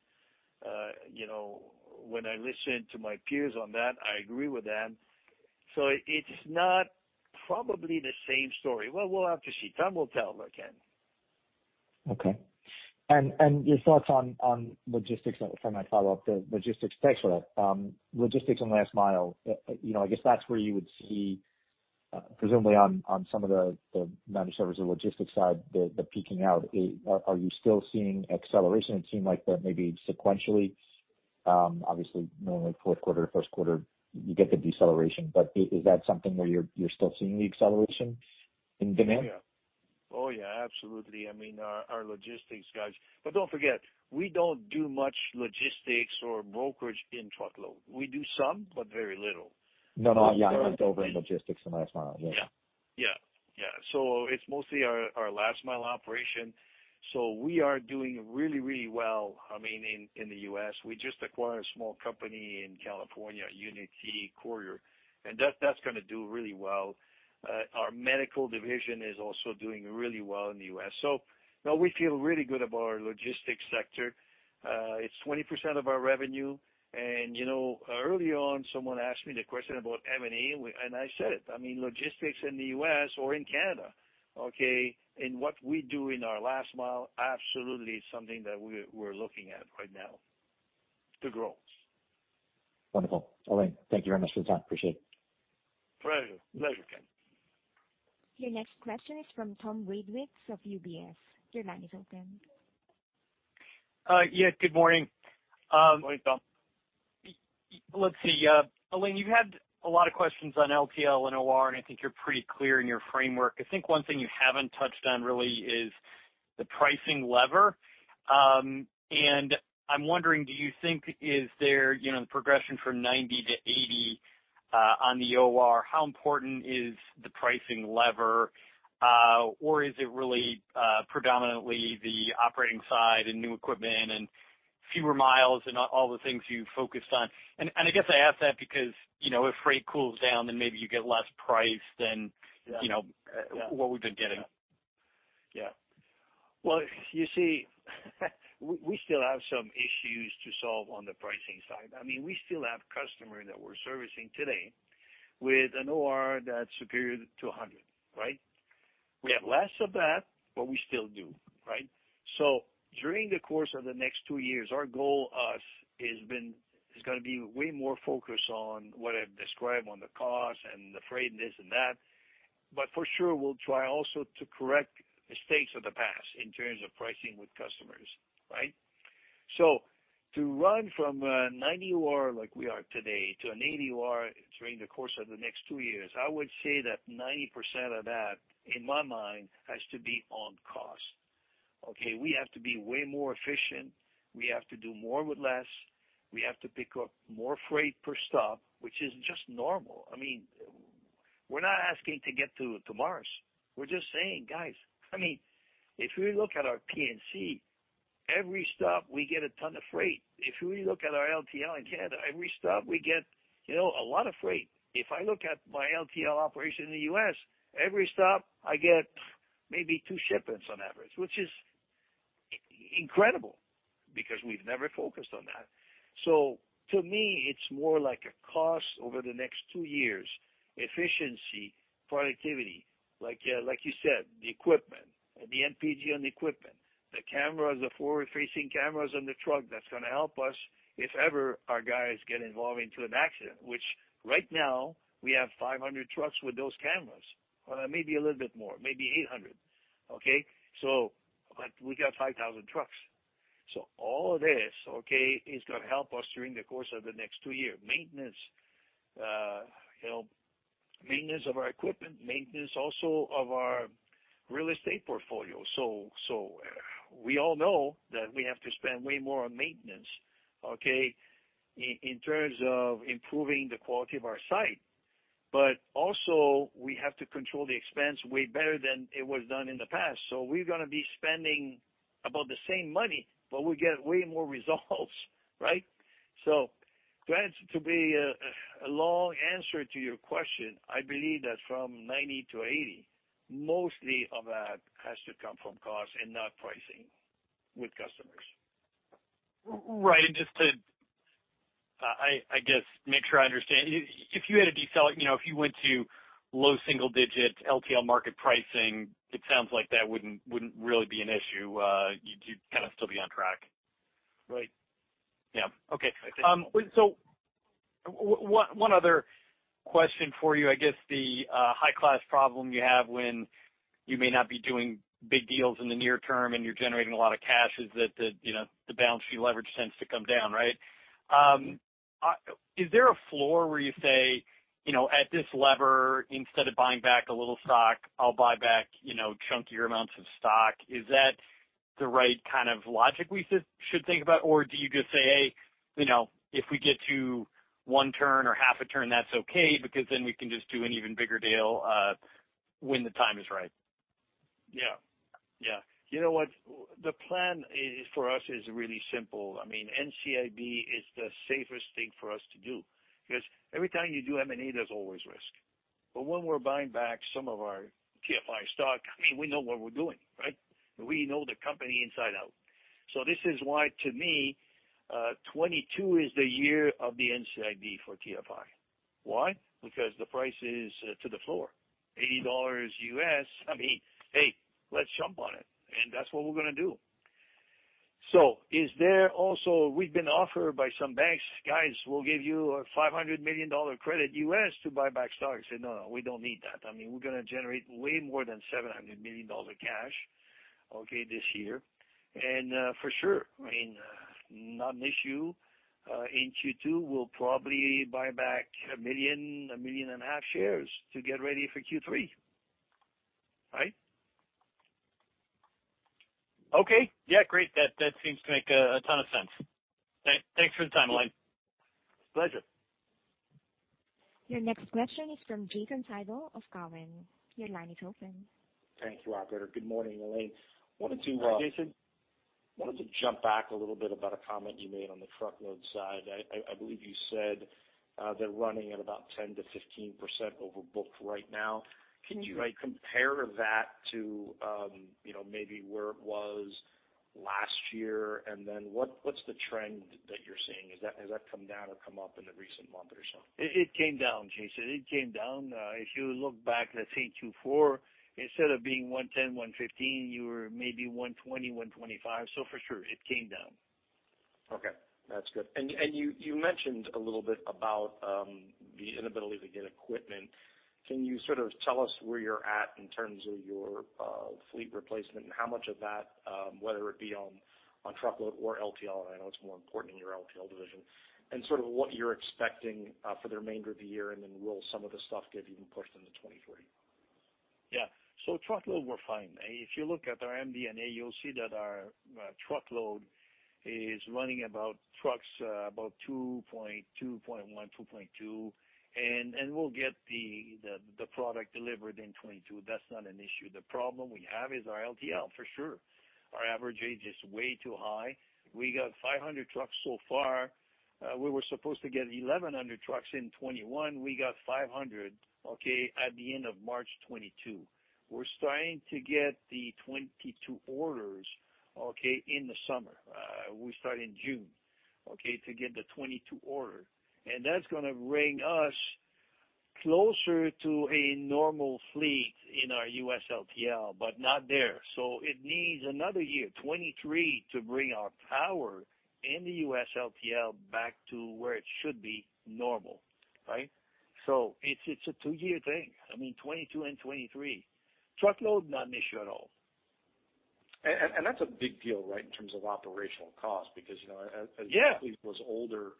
You know, when I listen to my peers on that, I agree with them. It's not probably the same story. Well, we'll have to see. Time will tell, Ken. Okay. Your thoughts on logistics, if I might follow up the logistics question. Logistics on last mile, you know, I guess that's where you would see, presumably on some of the managed services and logistics side, the peaking out. Are you still seeing acceleration? It seemed like that may be sequentially, obviously normally fourth quarter, first quarter, you get the deceleration. Is that something where you're still seeing the acceleration in demand? Oh, yeah. Oh, yeah, absolutely. I mean, our logistics guys. Don't forget, we don't do much logistics or brokerage in truckload. We do some, but very little. No, no. Yeah, I meant over in logistics and last mile. Yeah. It's mostly our last mile operation. We are doing really well, I mean, in the US. We just acquired a small company in California, Unity Courier, and that's gonna do really well. Our medical division is also doing really well in the US. No, we feel really good about our logistics sector. It's 20% of our revenue. You know, early on, someone asked me the question about M&A, and I said it, I mean, logistics in the US or in Canada, okay, and what we do in our last mile, absolutely something that we're looking at right now to grow. Wonderful. Alain, thank you very much for your time. Appreciate it. Pleasure. Pleasure, Ken. Your next question is from Tom Wadewitz of UBS. Your line is open. Yes, good morning. Morning, Tom. Let's see. Alain, you had a lot of questions on LTL and OR, and I think you're pretty clear in your framework. I think one thing you haven't touched on really is the pricing lever. I'm wondering, do you think is there, you know, the progression from 90 to 80 on the OR, how important is the pricing lever? Or is it really predominantly the operating side and new equipment and fewer miles and all the things you focused on? And I guess I ask that because, you know, if freight cools down, then maybe you get less price than- Yeah. You know, what we've been getting. Yeah. Well, you see, we still have some issues to solve on the pricing side. I mean, we still have customers that we're servicing today with an OR that's superior to 100, right? We have less of that, but we still do, right? During the course of the next two years, our goal, us, is gonna be way more focused on what I've described on the cost and the freight and this and that. For sure, we'll try also to correct mistakes of the past in terms of pricing with customers, right? To run from a 90 OR like we are today to an 80 OR during the course of the next two years, I would say that 90% of that, in my mind, has to be on cost. Okay. We have to be way more efficient. We have to do more with less. We have to pick up more freight per stop, which is just normal. I mean, we're not asking to get to Mars. We're just saying, guys, I mean, if we look at our P&C, every stop, we get a ton of freight. If we look at our LTL in Canada, every stop, we get, you know, a lot of freight. If I look at my LTL operation in the US, every stop I get maybe two shipments on average, which is incredible because we've never focused on that. To me, it's more like a cost over the next two years. Efficiency, productivity, like you said, the equipment and the MPG on the equipment, the cameras, the forward-facing cameras on the truck, that's gonna help us if ever our guys get involved into an accident, which right now we have 500 trucks with those cameras. Well, maybe a little bit more, maybe 800. Okay, but we got 5,000 trucks. All this, okay, is gonna help us during the course of the next two year. Maintenance, you know, maintenance of our equipment, maintenance also of our real estate portfolio. We all know that we have to spend way more on maintenance, okay, in terms of improving the quality of our site, but also we have to control the expense way better than it was done in the past. We're gonna be spending about the same money, but we get way more results, right? Tom, to be a long answer to your question, I believe that from 90%-80%, mostly of that has to come from cost and not pricing with customers. Right. Just to make sure I understand. If you had to de-sell it, you know, if you went to low single digits LTL market pricing, it sounds like that wouldn't really be an issue. You'd kinda still be on track. Right. Yeah. Okay. One other question for you. I guess the high-class problem you have when you may not be doing big deals in the near term and you're generating a lot of cash is that the you know the balance sheet leverage tends to come down, right? Is there a floor where you say you know at this leverage instead of buying back a little stock I'll buy back you know chunkier amounts of stock? Is that the right kind of logic we should think about? Do you just say, "Hey, you know, if we get to 1 turn or half a turn, that's okay, because then we can just do an even bigger deal when the time is right. Yeah. Yeah. You know what? The plan is, for us, really simple. I mean, NCIB is the safest thing for us to do because every time you do M&A, there's always risk. When we're buying back some of our TFI stock, I mean, we know what we're doing, right? We know the company inside out. This is why to me, 2022 is the year of the NCIB for TFI. Why? Because the price is to the floor, $80. I mean, hey, let's jump on it, and that's what we're gonna do. Is there also. We've been offered by some banks, "Guys, we'll give you a $500 million credit to buy back stocks." I said, "No, no, we don't need that." I mean, we're gonna generate way more than $700 million cash, okay, this year. For sure, I mean, not an issue in Q2, we'll probably buy back 1 million-1.5 million shares to get ready for Q3. Right? Okay. Yeah, great. That seems to make a ton of sense. Thanks for the time, Alain. Pleasure. Your next question is from Jason Seidl of Cowen. Your line is open. Thank you, operator. Good morning, Alain. Wanted to, Hi, Jason. Wanted to jump back a little bit about a comment you made on the truckload side. I believe you said they're running at about 10%-15% overbooked right now. Can you like compare that to you know maybe where it was last year, and then what's the trend that you're seeing? Has that come down or come up in the recent month or so? It came down, Jason. It came down. If you look back, let's say Q4, instead of being 110-115, you were maybe 120-125. For sure, it came down. Okay, that's good. You mentioned a little bit about the inability to get equipment. Can you sort of tell us where you're at in terms of your fleet replacement and how much of that, whether it be on truckload or LTL, I know it's more important in your LTL division, and sort of what you're expecting for the remainder of the year, and then will some of the stuff get even pushed into 2023? Yeah. Truckload, we're fine. If you look at our MD&A, you'll see that our truckload is running about 2.1, 2.2. We'll get the product delivered in 2022. That's not an issue. The problem we have is our LTL, for sure. Our average age is way too high. We got 500 trucks so far. We were supposed to get 1,100 trucks in 2021. We got 500, okay, at the end of March 2022. We're starting to get the 2022 orders, okay, in the summer. We start in June, okay, to get the 2022 order. That's gonna bring us closer to a normal fleet in our US LTL, but not there. It needs another year, 2023, to bring our power in the US LTL back to where it should be normal, right? It's a two-year thing. I mean, 2022 and 2023. Truckload, not an issue at all. That's a big deal, right? In terms of operational cost, because, you know, Yeah. The fleet was older.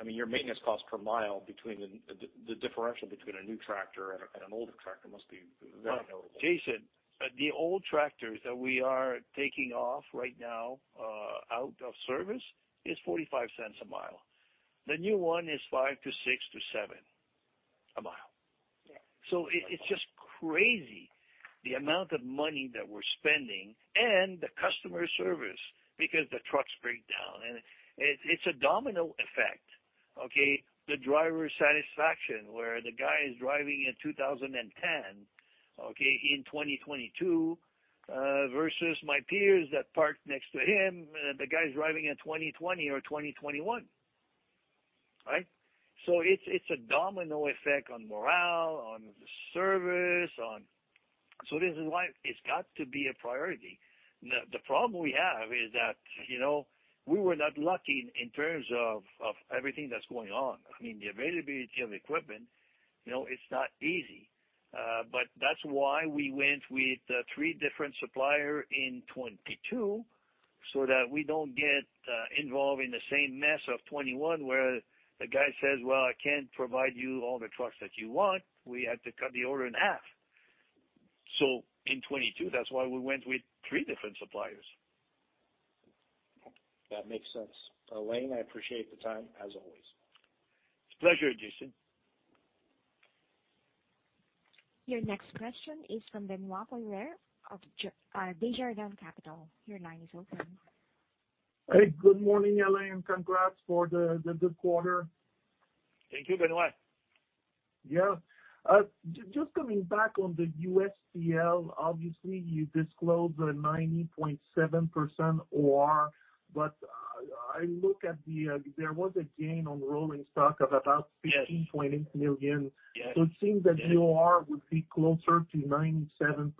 I mean, your maintenance cost per mile, the differential between a new tractor and an older tractor must be very notable. Jason, the old tractors that we are taking off right now, out of service is $0.45 a mile. The new one is $0.05 to $0.06 to $0.07 a mile. It's just crazy the amount of money that we're spending and the customer service because the trucks break down and it's a domino effect, okay? The driver satisfaction where the guy is driving a 2010, okay, in 2022, versus my peers that parked next to him, the guy is driving a 2020 or 2021. Right? It's a domino effect on morale, on the service. This is why it's got to be a priority. The problem we have is that, you know, we were not lucky in terms of everything that's going on. I mean, the availability of equipment, you know, it's not easy. That's why we went with three different suppliers in 2022 so that we don't get involved in the same mess of 2021 where the guy says, "Well, I can't provide you all the trucks that you want. We have to cut the order in half." In 2022, that's why we went with three different suppliers. That makes sense. Alain, I appreciate the time, as always. It's a pleasure, Jason. Your next question is from Benoit Poirier of Desjardins Capital. Your line is open. Hey. Good morning, Alain, and congrats for the good quarter. Thank you, Benoit. Just coming back on the US LTL, obviously you disclosed a 90.7% OR, but I look at the. There was a gain on rolling stock of about $15.8 million. Yes. It seems that your OR would be closer to 97%.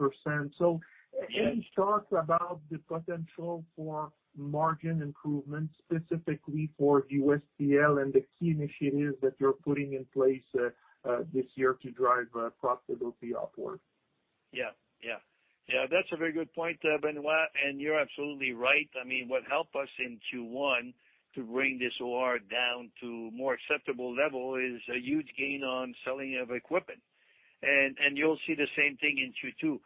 Any thoughts about the potential for margin improvement, specifically for US LTL and the key initiatives that you're putting in place this year to drive profitability upward? Yeah, that's a very good point, Benoit, and you're absolutely right. I mean, what helped us in Q1 to bring this OR down to more acceptable level is a huge gain on selling of equipment. You'll see the same thing in Q2.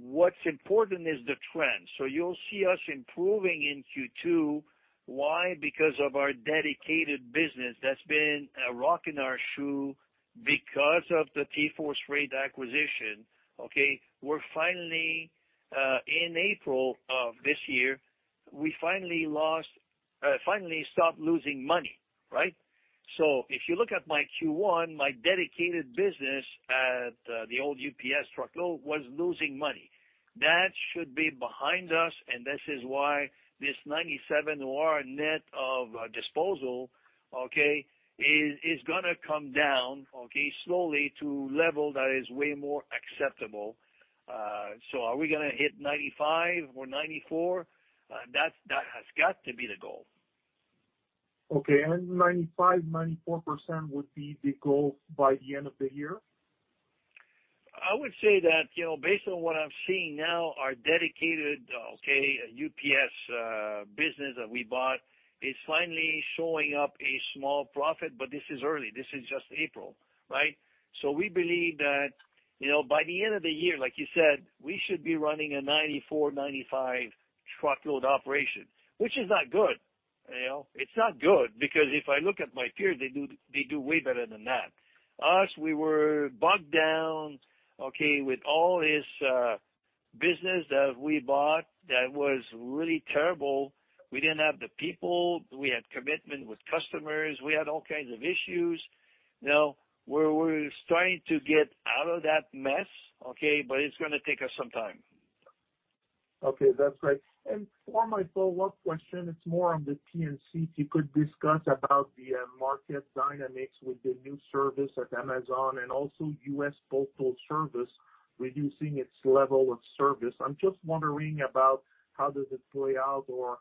What's important is the trend. You'll see us improving in Q2. Why? Because of our dedicated business that's been a rock in our shoe because of the TForce Freight acquisition, okay? We're finally in April of this year, we finally stopped losing money, right? If you look at my Q1, my dedicated business at the old UPS truckload was losing money. That should be behind us, and this is why this 97 OR net of disposal, okay, is gonna come down, okay, slowly to level that is way more acceptable. Are we gonna hit 95 or 94? That has got to be the goal. Okay. 95%-94% would be the goal by the end of the year? I would say that, you know, based on what I'm seeing now, our dedicated, okay, UPS business that we bought is finally showing up a small profit, but this is early. This is just April, right? We believe that, you know, by the end of the year, like you said, we should be running a 94%-95% truckload operation, which is not good. You know? It's not good because if I look at my peers, they do way better than that. Us, we were bogged down, okay, with all this business that we bought that was really terrible. We didn't have the people. We had commitment with customers. We had all kinds of issues. Now, we're starting to get out of that mess, okay? It's gonna take us some time. Okay, that's great. For my follow-up question, it's more on the P&C. If you could discuss about the market dynamics with the new service at Amazon and also US Postal Service reducing its level of service. I'm just wondering about how does it play out or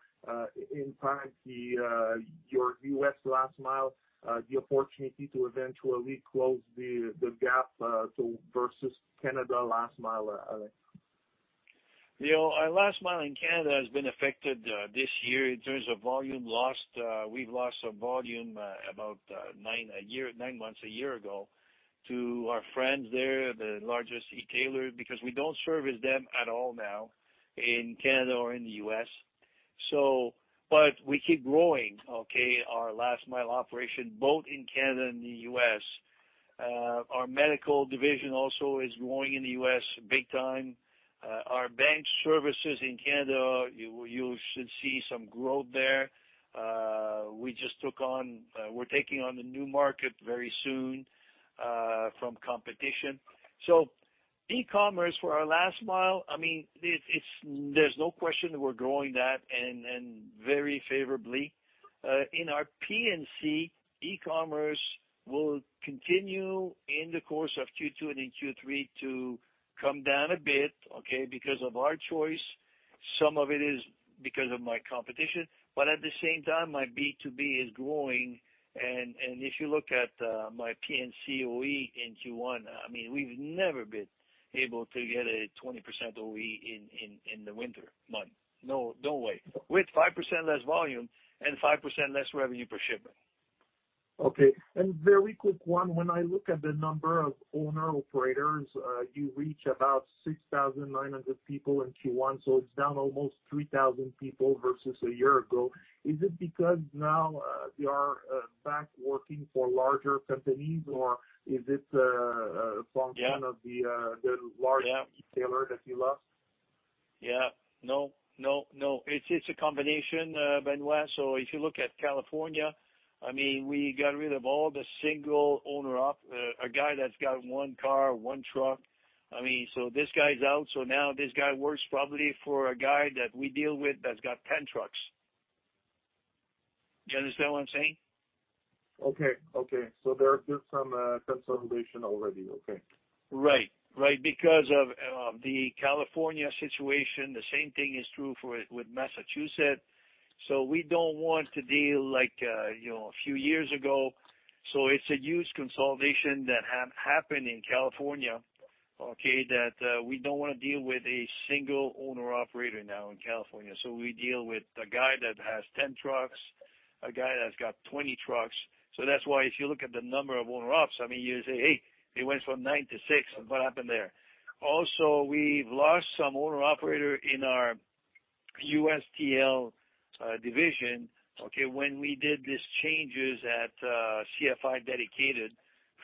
impact your US last mile, the opportunity to eventually close the gap to versus Canada last mile, Alain. You know, our last mile in Canada has been affected this year in terms of volume lost. We've lost some volume, about 9% a year, 9 months a year ago to our friends there, the largest e-tailer, because we don't service them at all now in Canada or in the US. We keep growing, okay, our last mile operation both in Canada and the US. Our medical division also is growing in the US big time. Our bank services in Canada, you should see some growth there. We're taking on a new market very soon from competition. E-commerce for our last mile, I mean, it's. There's no question that we're growing that and very favorably. In our P&C, e-commerce will continue in the course of Q2 and in Q3 to come down a bit, okay, because of our choice. Some of it is because of my competition, but at the same time my B2B is growing. If you look at my P&C OR in Q1, I mean, we've never been able to get a 20% OR in the winter month. No way. With 5% less volume and 5% less revenue per shipment. Okay. Very quick one. When I look at the number of owner-operators, you reach about 6,900 people in Q1, so it's down almost 3,000 people versus a year ago. Is it because now, they are back working for larger companies, or is this function- Yeah. -of the, uh, the large- Yeah. Retailer that you lost? Yeah. No, no. It's a combination, Benoit. If you look at California, I mean, we got rid of all the single owner-op, a guy that's got one car, one truck. I mean, this guy's out, so now this guy works probably for a guy that we deal with that's got 10 trucks. Do you understand what I'm saying? Okay, okay. There are just some consolidation already, okay. Right. Because of the California situation, the same thing is true for with Massachusetts, so we don't want to deal like you know a few years ago. It's a huge consolidation that happened in California, okay? That we don't wanna deal with a single owner-operator now in California. We deal with a guy that has 10 trucks, a guy that's got 20 trucks. That's why if you look at the number of owner ops, I mean, you say, "Hey, it went from 9 to 6. What happened there?" Also, we've lost some owner operator in our USTL division, okay, when we did these changes at CFI dedicated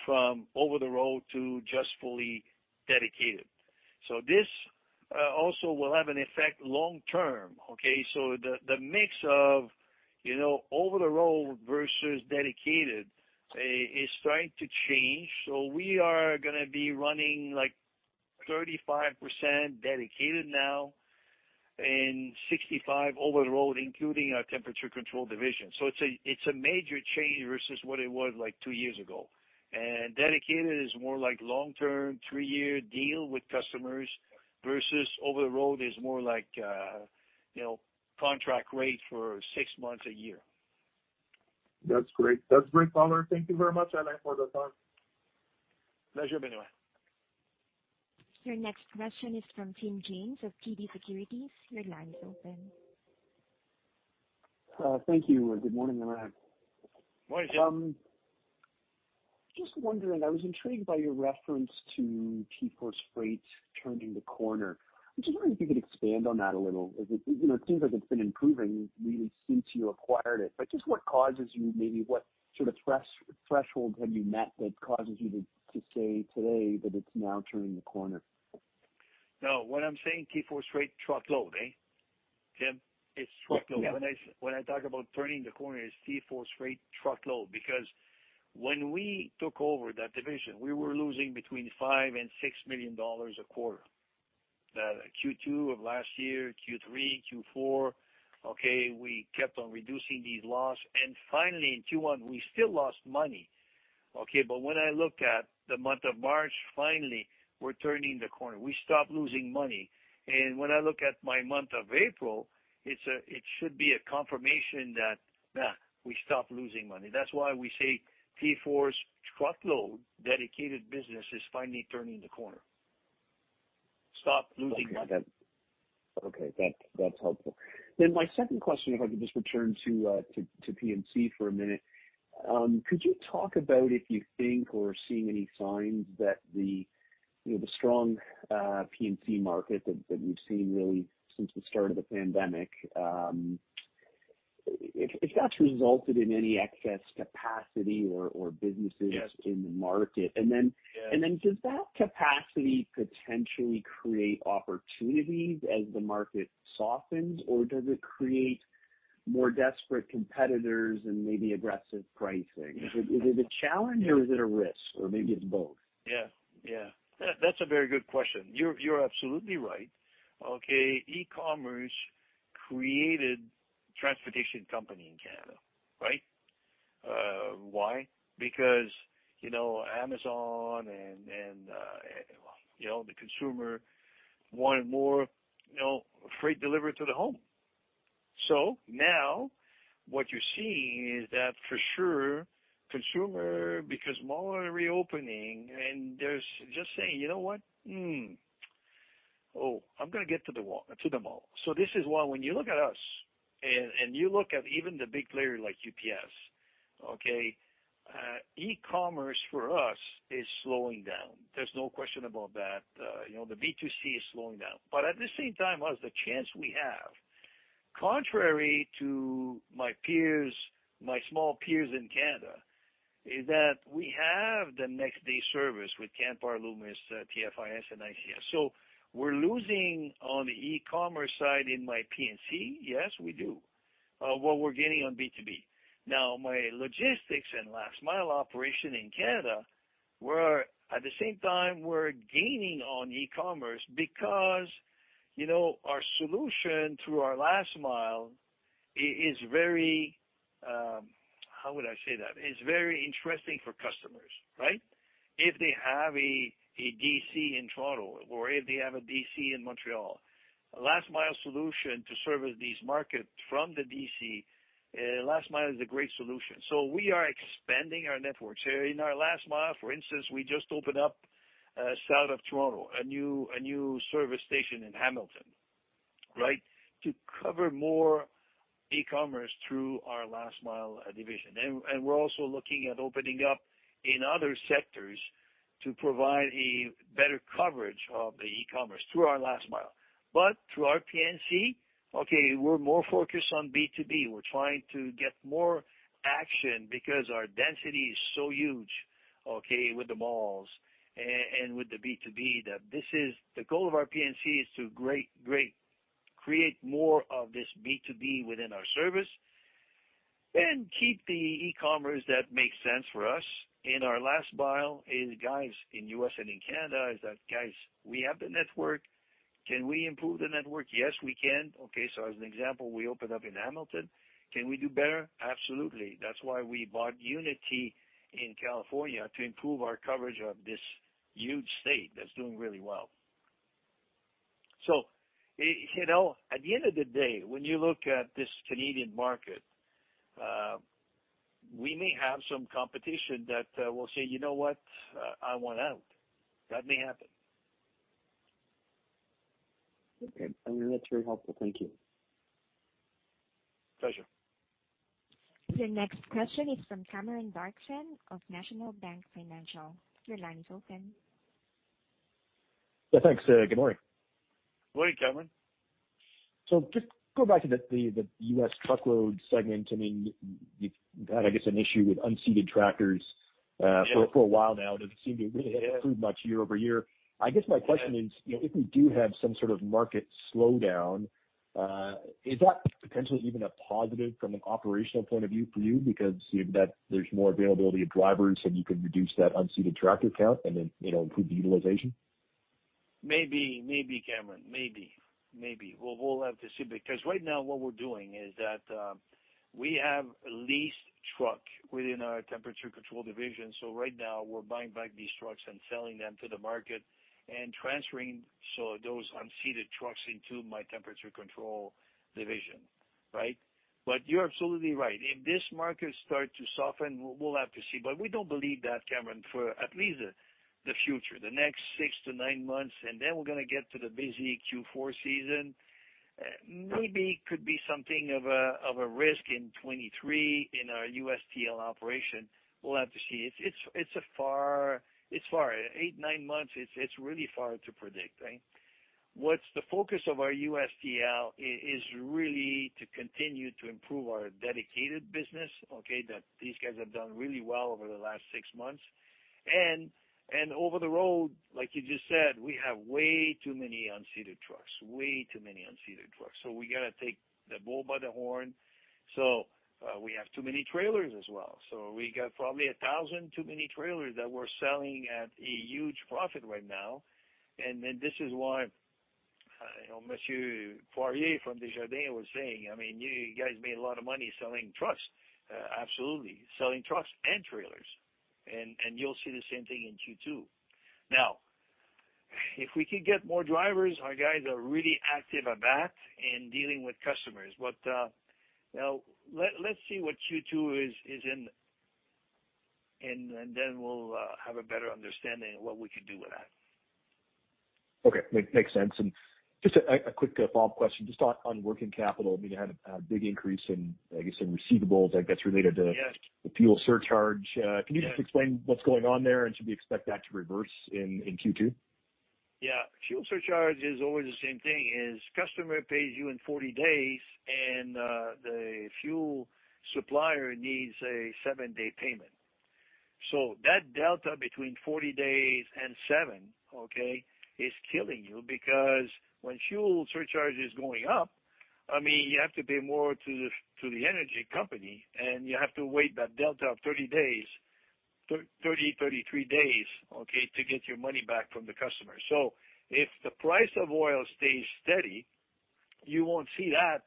from over the road to just fully dedicated. This also will have an effect long term, okay? The mix of, you know, over the road versus dedicated is starting to change. We are gonna be running like 35% dedicated now and 65% over the road, including our temperature control division. It's a major change versus what it was like two years ago. Dedicated is more like long-term, three-year deal with customers versus over the road is more like, you know, contract rate for six months, a year. That's great. That's great, Alain. Thank you very much. I'd like for the time. Pleasure, Benoit. Your next question is from Tim James of TD Securities. Your line is open. Thank you. Good morning, everyone. Morning. Just wondering, I was intrigued by your reference to TForce Freight turning the corner. I was just wondering if you could expand on that a little. Is it? You know, it seems like it's been improving really since you acquired it, but just what causes you, maybe what sort of threshold have you met that causes you to say today that it's now turning the corner? No, what I'm saying, TForce Freight truckload, eh? Tim, it's truckload. Yeah. When I talk about turning the corner, it's TForce Freight truckload. Because when we took over that division, we were losing between $5-$6 million a quarter. Q2 of last year, Q3, Q4, we kept on reducing these losses. Finally, in Q1, we still lost money. When I look at the month of March, finally, we're turning the corner. We stopped losing money. When I look at my month of April, it's, it should be a confirmation that we stopped losing money. That's why we say TForce truckload dedicated business is finally turning the corner. Stopped losing money. Okay. That's helpful. My second question, if I could just return to P&C for a minute. Could you talk about if you think or seeing any signs that the, you know, the strong P&C market that we've seen really since the start of the pandemic, if that's resulted in any excess capacity or businesses? Yes. in the market. Yes. Does that capacity potentially create opportunities as the market softens, or does it create more desperate competitors and maybe aggressive pricing? Is it a challenge or is it a risk or maybe it's both? Yeah. That's a very good question. You're absolutely right, okay? E-commerce created transportation company in Canada, right? Why? Because, you know, Amazon and, you know, the consumer want more, you know, freight delivered to the home. Wow what you're seeing is that for sure, consumer, because malls are reopening and they're just saying, "You know what? Oh, I'm gonna get to the mall, to the mall." So this is why when you look at us and you look at even the big player like UPS, okay, e-commerce for us is slowing down. There's no question about that. You know, the B2C is slowing down, but at the same time, us, the chance we have, contrary to my peers, my small peers in Canada, is that we have the next day service with Canpar, Loomis, TFIS and ICS. We're losing on the e-commerce side in my P&C, yes, we do. What we're gaining on B2B. Now, my logistics and last mile operation in Canada, we're at the same time we're gaining on e-commerce because, you know, our solution through our last mile is very... How would I say that? Is very interesting for customers, right? If they have a DC in Toronto or if they have a DC in Montreal, last mile solution to service these markets from the DC, last mile is a great solution. We are expanding our network. In our last mile, for instance, we just opened up south of Toronto, a new service station in Hamilton, right? To cover more e-commerce through our last mile division. We're also looking at opening up in other sectors to provide a better coverage of the e-commerce through our last mile. Through our P&C, okay, we're more focused on B2B. We're trying to get more action because our density is so huge, okay, with the malls and with the B2B, that this is. The goal of our P&C is to create more of this B2B within our service and keep the e-commerce that makes sense for us. In our last mile guys in US and in Canada, we have the network. Can we improve the network? Yes, we can. Okay, as an example, we opened up in Hamilton. Can we do better? Absolutely. That's why we bought Unity in California to improve our coverage of this huge state that's doing really well. You know, at the end of the day, when you look at this Canadian market, we may have some competition that will say, "You know what, I want out." That may happen. Okay. I mean, that's very helpful. Thank you. Pleasure. Your next question is from Cameron Doerksen of National Bank Financial. Your line is open. Yeah, thanks. Good morning. Good morning, Cameron. Just go back to the U.S. truckload segment. I mean, you've had, I guess, an issue with unseated tractors. Yeah. For a while now, it doesn't seem to really have improved much year over year. I guess my question is, you know, if we do have some sort of market slowdown, is that potentially even a positive from an operational point of view for you because there's more availability of drivers, and you can reduce that unseated tractor count and then, you know, improve the utilization? Maybe, Cameron. We'll have to see because right now what we're doing is that we have a leased truck within our temperature control division. Right now we're buying back these trucks and selling them to the market and transferring those unleased trucks into our temperature control division, right? You're absolutely right. If this market starts to soften, we'll have to see. We don't believe that, Cameron, for at least the future, the next 6-9 months, and then we're gonna get to the busy Q4 season. Maybe could be something of a risk in 2023 in our USTL operation. We'll have to see. It's a far. 8-9 months, it's really far to predict, right? What's the focus of our USTL is really to continue to improve our dedicated business, okay? That these guys have done really well over the last six months. Over the road, like you just said, we have way too many unseated trucks. We gotta take the bull by the horn. We have too many trailers as well. We got probably 1,000 too many trailers that we're selling at a huge profit right now. This is why, you know, Benoit Poirier from Desjardins was saying, "I mean, you guys made a lot of money selling trucks." Absolutely. Selling trucks and trailers. You'll see the same thing in Q2. Now, if we could get more drivers, our guys are really active at that in dealing with customers. Now, let's see what Q2 is in and then we'll have a better understanding of what we could do with that. Okay. Makes sense. Just a quick follow-up question just on working capital. I mean, you had a big increase in, I guess, in receivables that gets related to- Yes. the fuel surcharge. Yes. Can you just explain what's going on there? Should we expect that to reverse in Q2? Yeah. Fuel surcharge is always the same thing, is customer pays you in 40 days and, the fuel supplier needs a seven-day payment. That delta between 40 days and seven, okay, is killing you because when fuel surcharge is going up, I mean, you have to pay more to the, to the energy company, and you have to wait that delta of 30 days, 33 days, okay, to get your money back from the customer. If the price of oil stays steady, you won't see that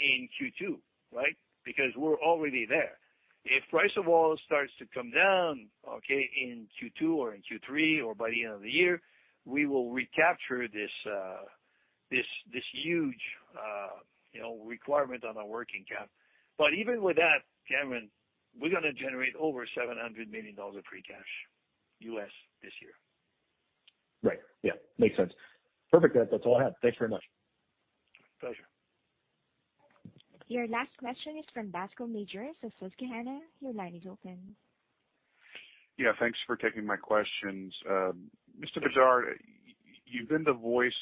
in Q2, right? Because we're already there. If price of oil starts to come down, okay, in Q2 or in Q3 or by the end of the year, we will recapture this huge, you know, requirement on our working cap. Even with that, Cameron, we're gonna generate over $700 million of free cash US this year. Right. Yeah. Makes sense. Perfect. That, that's all I have. Thanks very much. Pleasure. Your last question is from Bascome Majors of Susquehanna. Your line is open. Yeah, thanks for taking my questions. Mr. Bedard, you've been the voice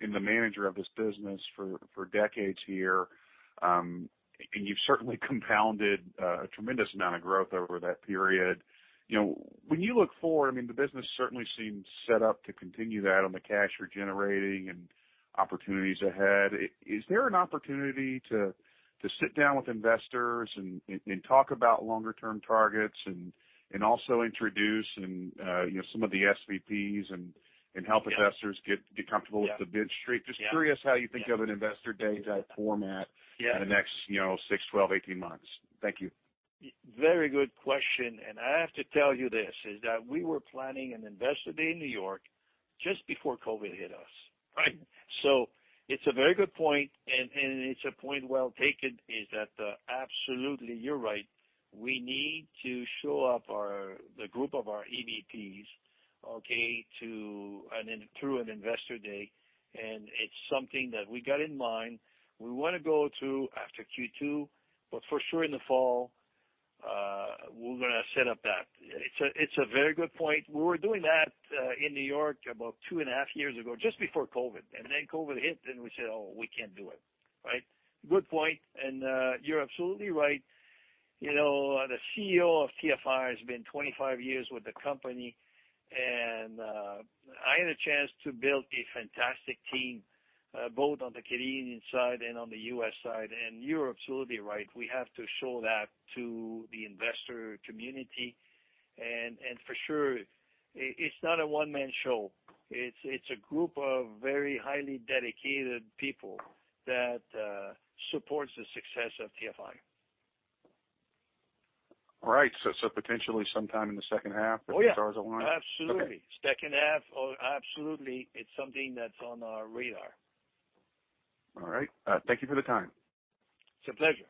and the manager of this business for decades here, and you've certainly compounded a tremendous amount of growth over that period. You know, when you look forward, I mean, the business certainly seems set up to continue that on the cash you're generating and opportunities ahead. Is there an opportunity to sit down with investors and talk about longer term targets and also introduce, you know, some of the EVPs and help investors? Yeah. Get comfortable with the bid streak? Yeah. Just curious how you think of an investor day type format? Yeah. in the next, you know, 6, 12, 18 months. Thank you. Very good question, and I have to tell you this, is that we were planning an investor day in New York just before COVID hit us, right? It's a very good point, and it's a point well taken, is that, absolutely, you're right. We need to show up our, the group of our EVPs. Okay. To through an investor day. It's something that we got in mind. We wanna go to after Q2, but for sure in the fall, we're gonna set up that. It's a very good point. We were doing that in New York about 2.5 years ago, just before COVID. COVID hit, and we said, "Oh, we can't do it." Right? Good point. You're absolutely right. You know, the CEO of TFI has been 25 years with the company. I had a chance to build a fantastic team, both on the Canadian side and on the US side. You're absolutely right, we have to show that to the investor community. For sure, it's not a one-man show. It's a group of very highly dedicated people that supports the success of TFI. All right. Potentially sometime in the second half. Oh, yeah. If the stars align. Absolutely. Okay. Second half. Oh, absolutely. It's something that's on our radar. All right. Thank you for the time. It's a pleasure.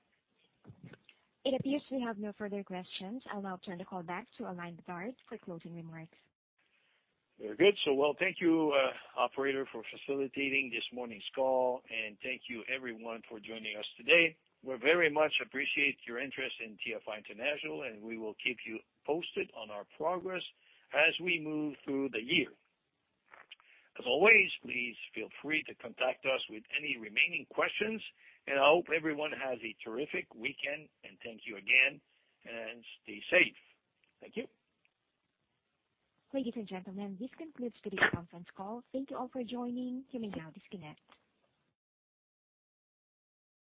It appears we have no further questions. I'll now turn the call back to Alain Bedard for closing remarks. Very good. Well, thank you, operator, for facilitating this morning's call, and thank you everyone for joining us today. We very much appreciate your interest in TFI International, and we will keep you posted on our progress as we move through the year. As always, please feel free to contact us with any remaining questions, and I hope everyone has a terrific weekend, and thank you again, and stay safe. Thank you. Ladies and gentlemen, this concludes today's conference call. Thank you all for joining. You may now disconnect.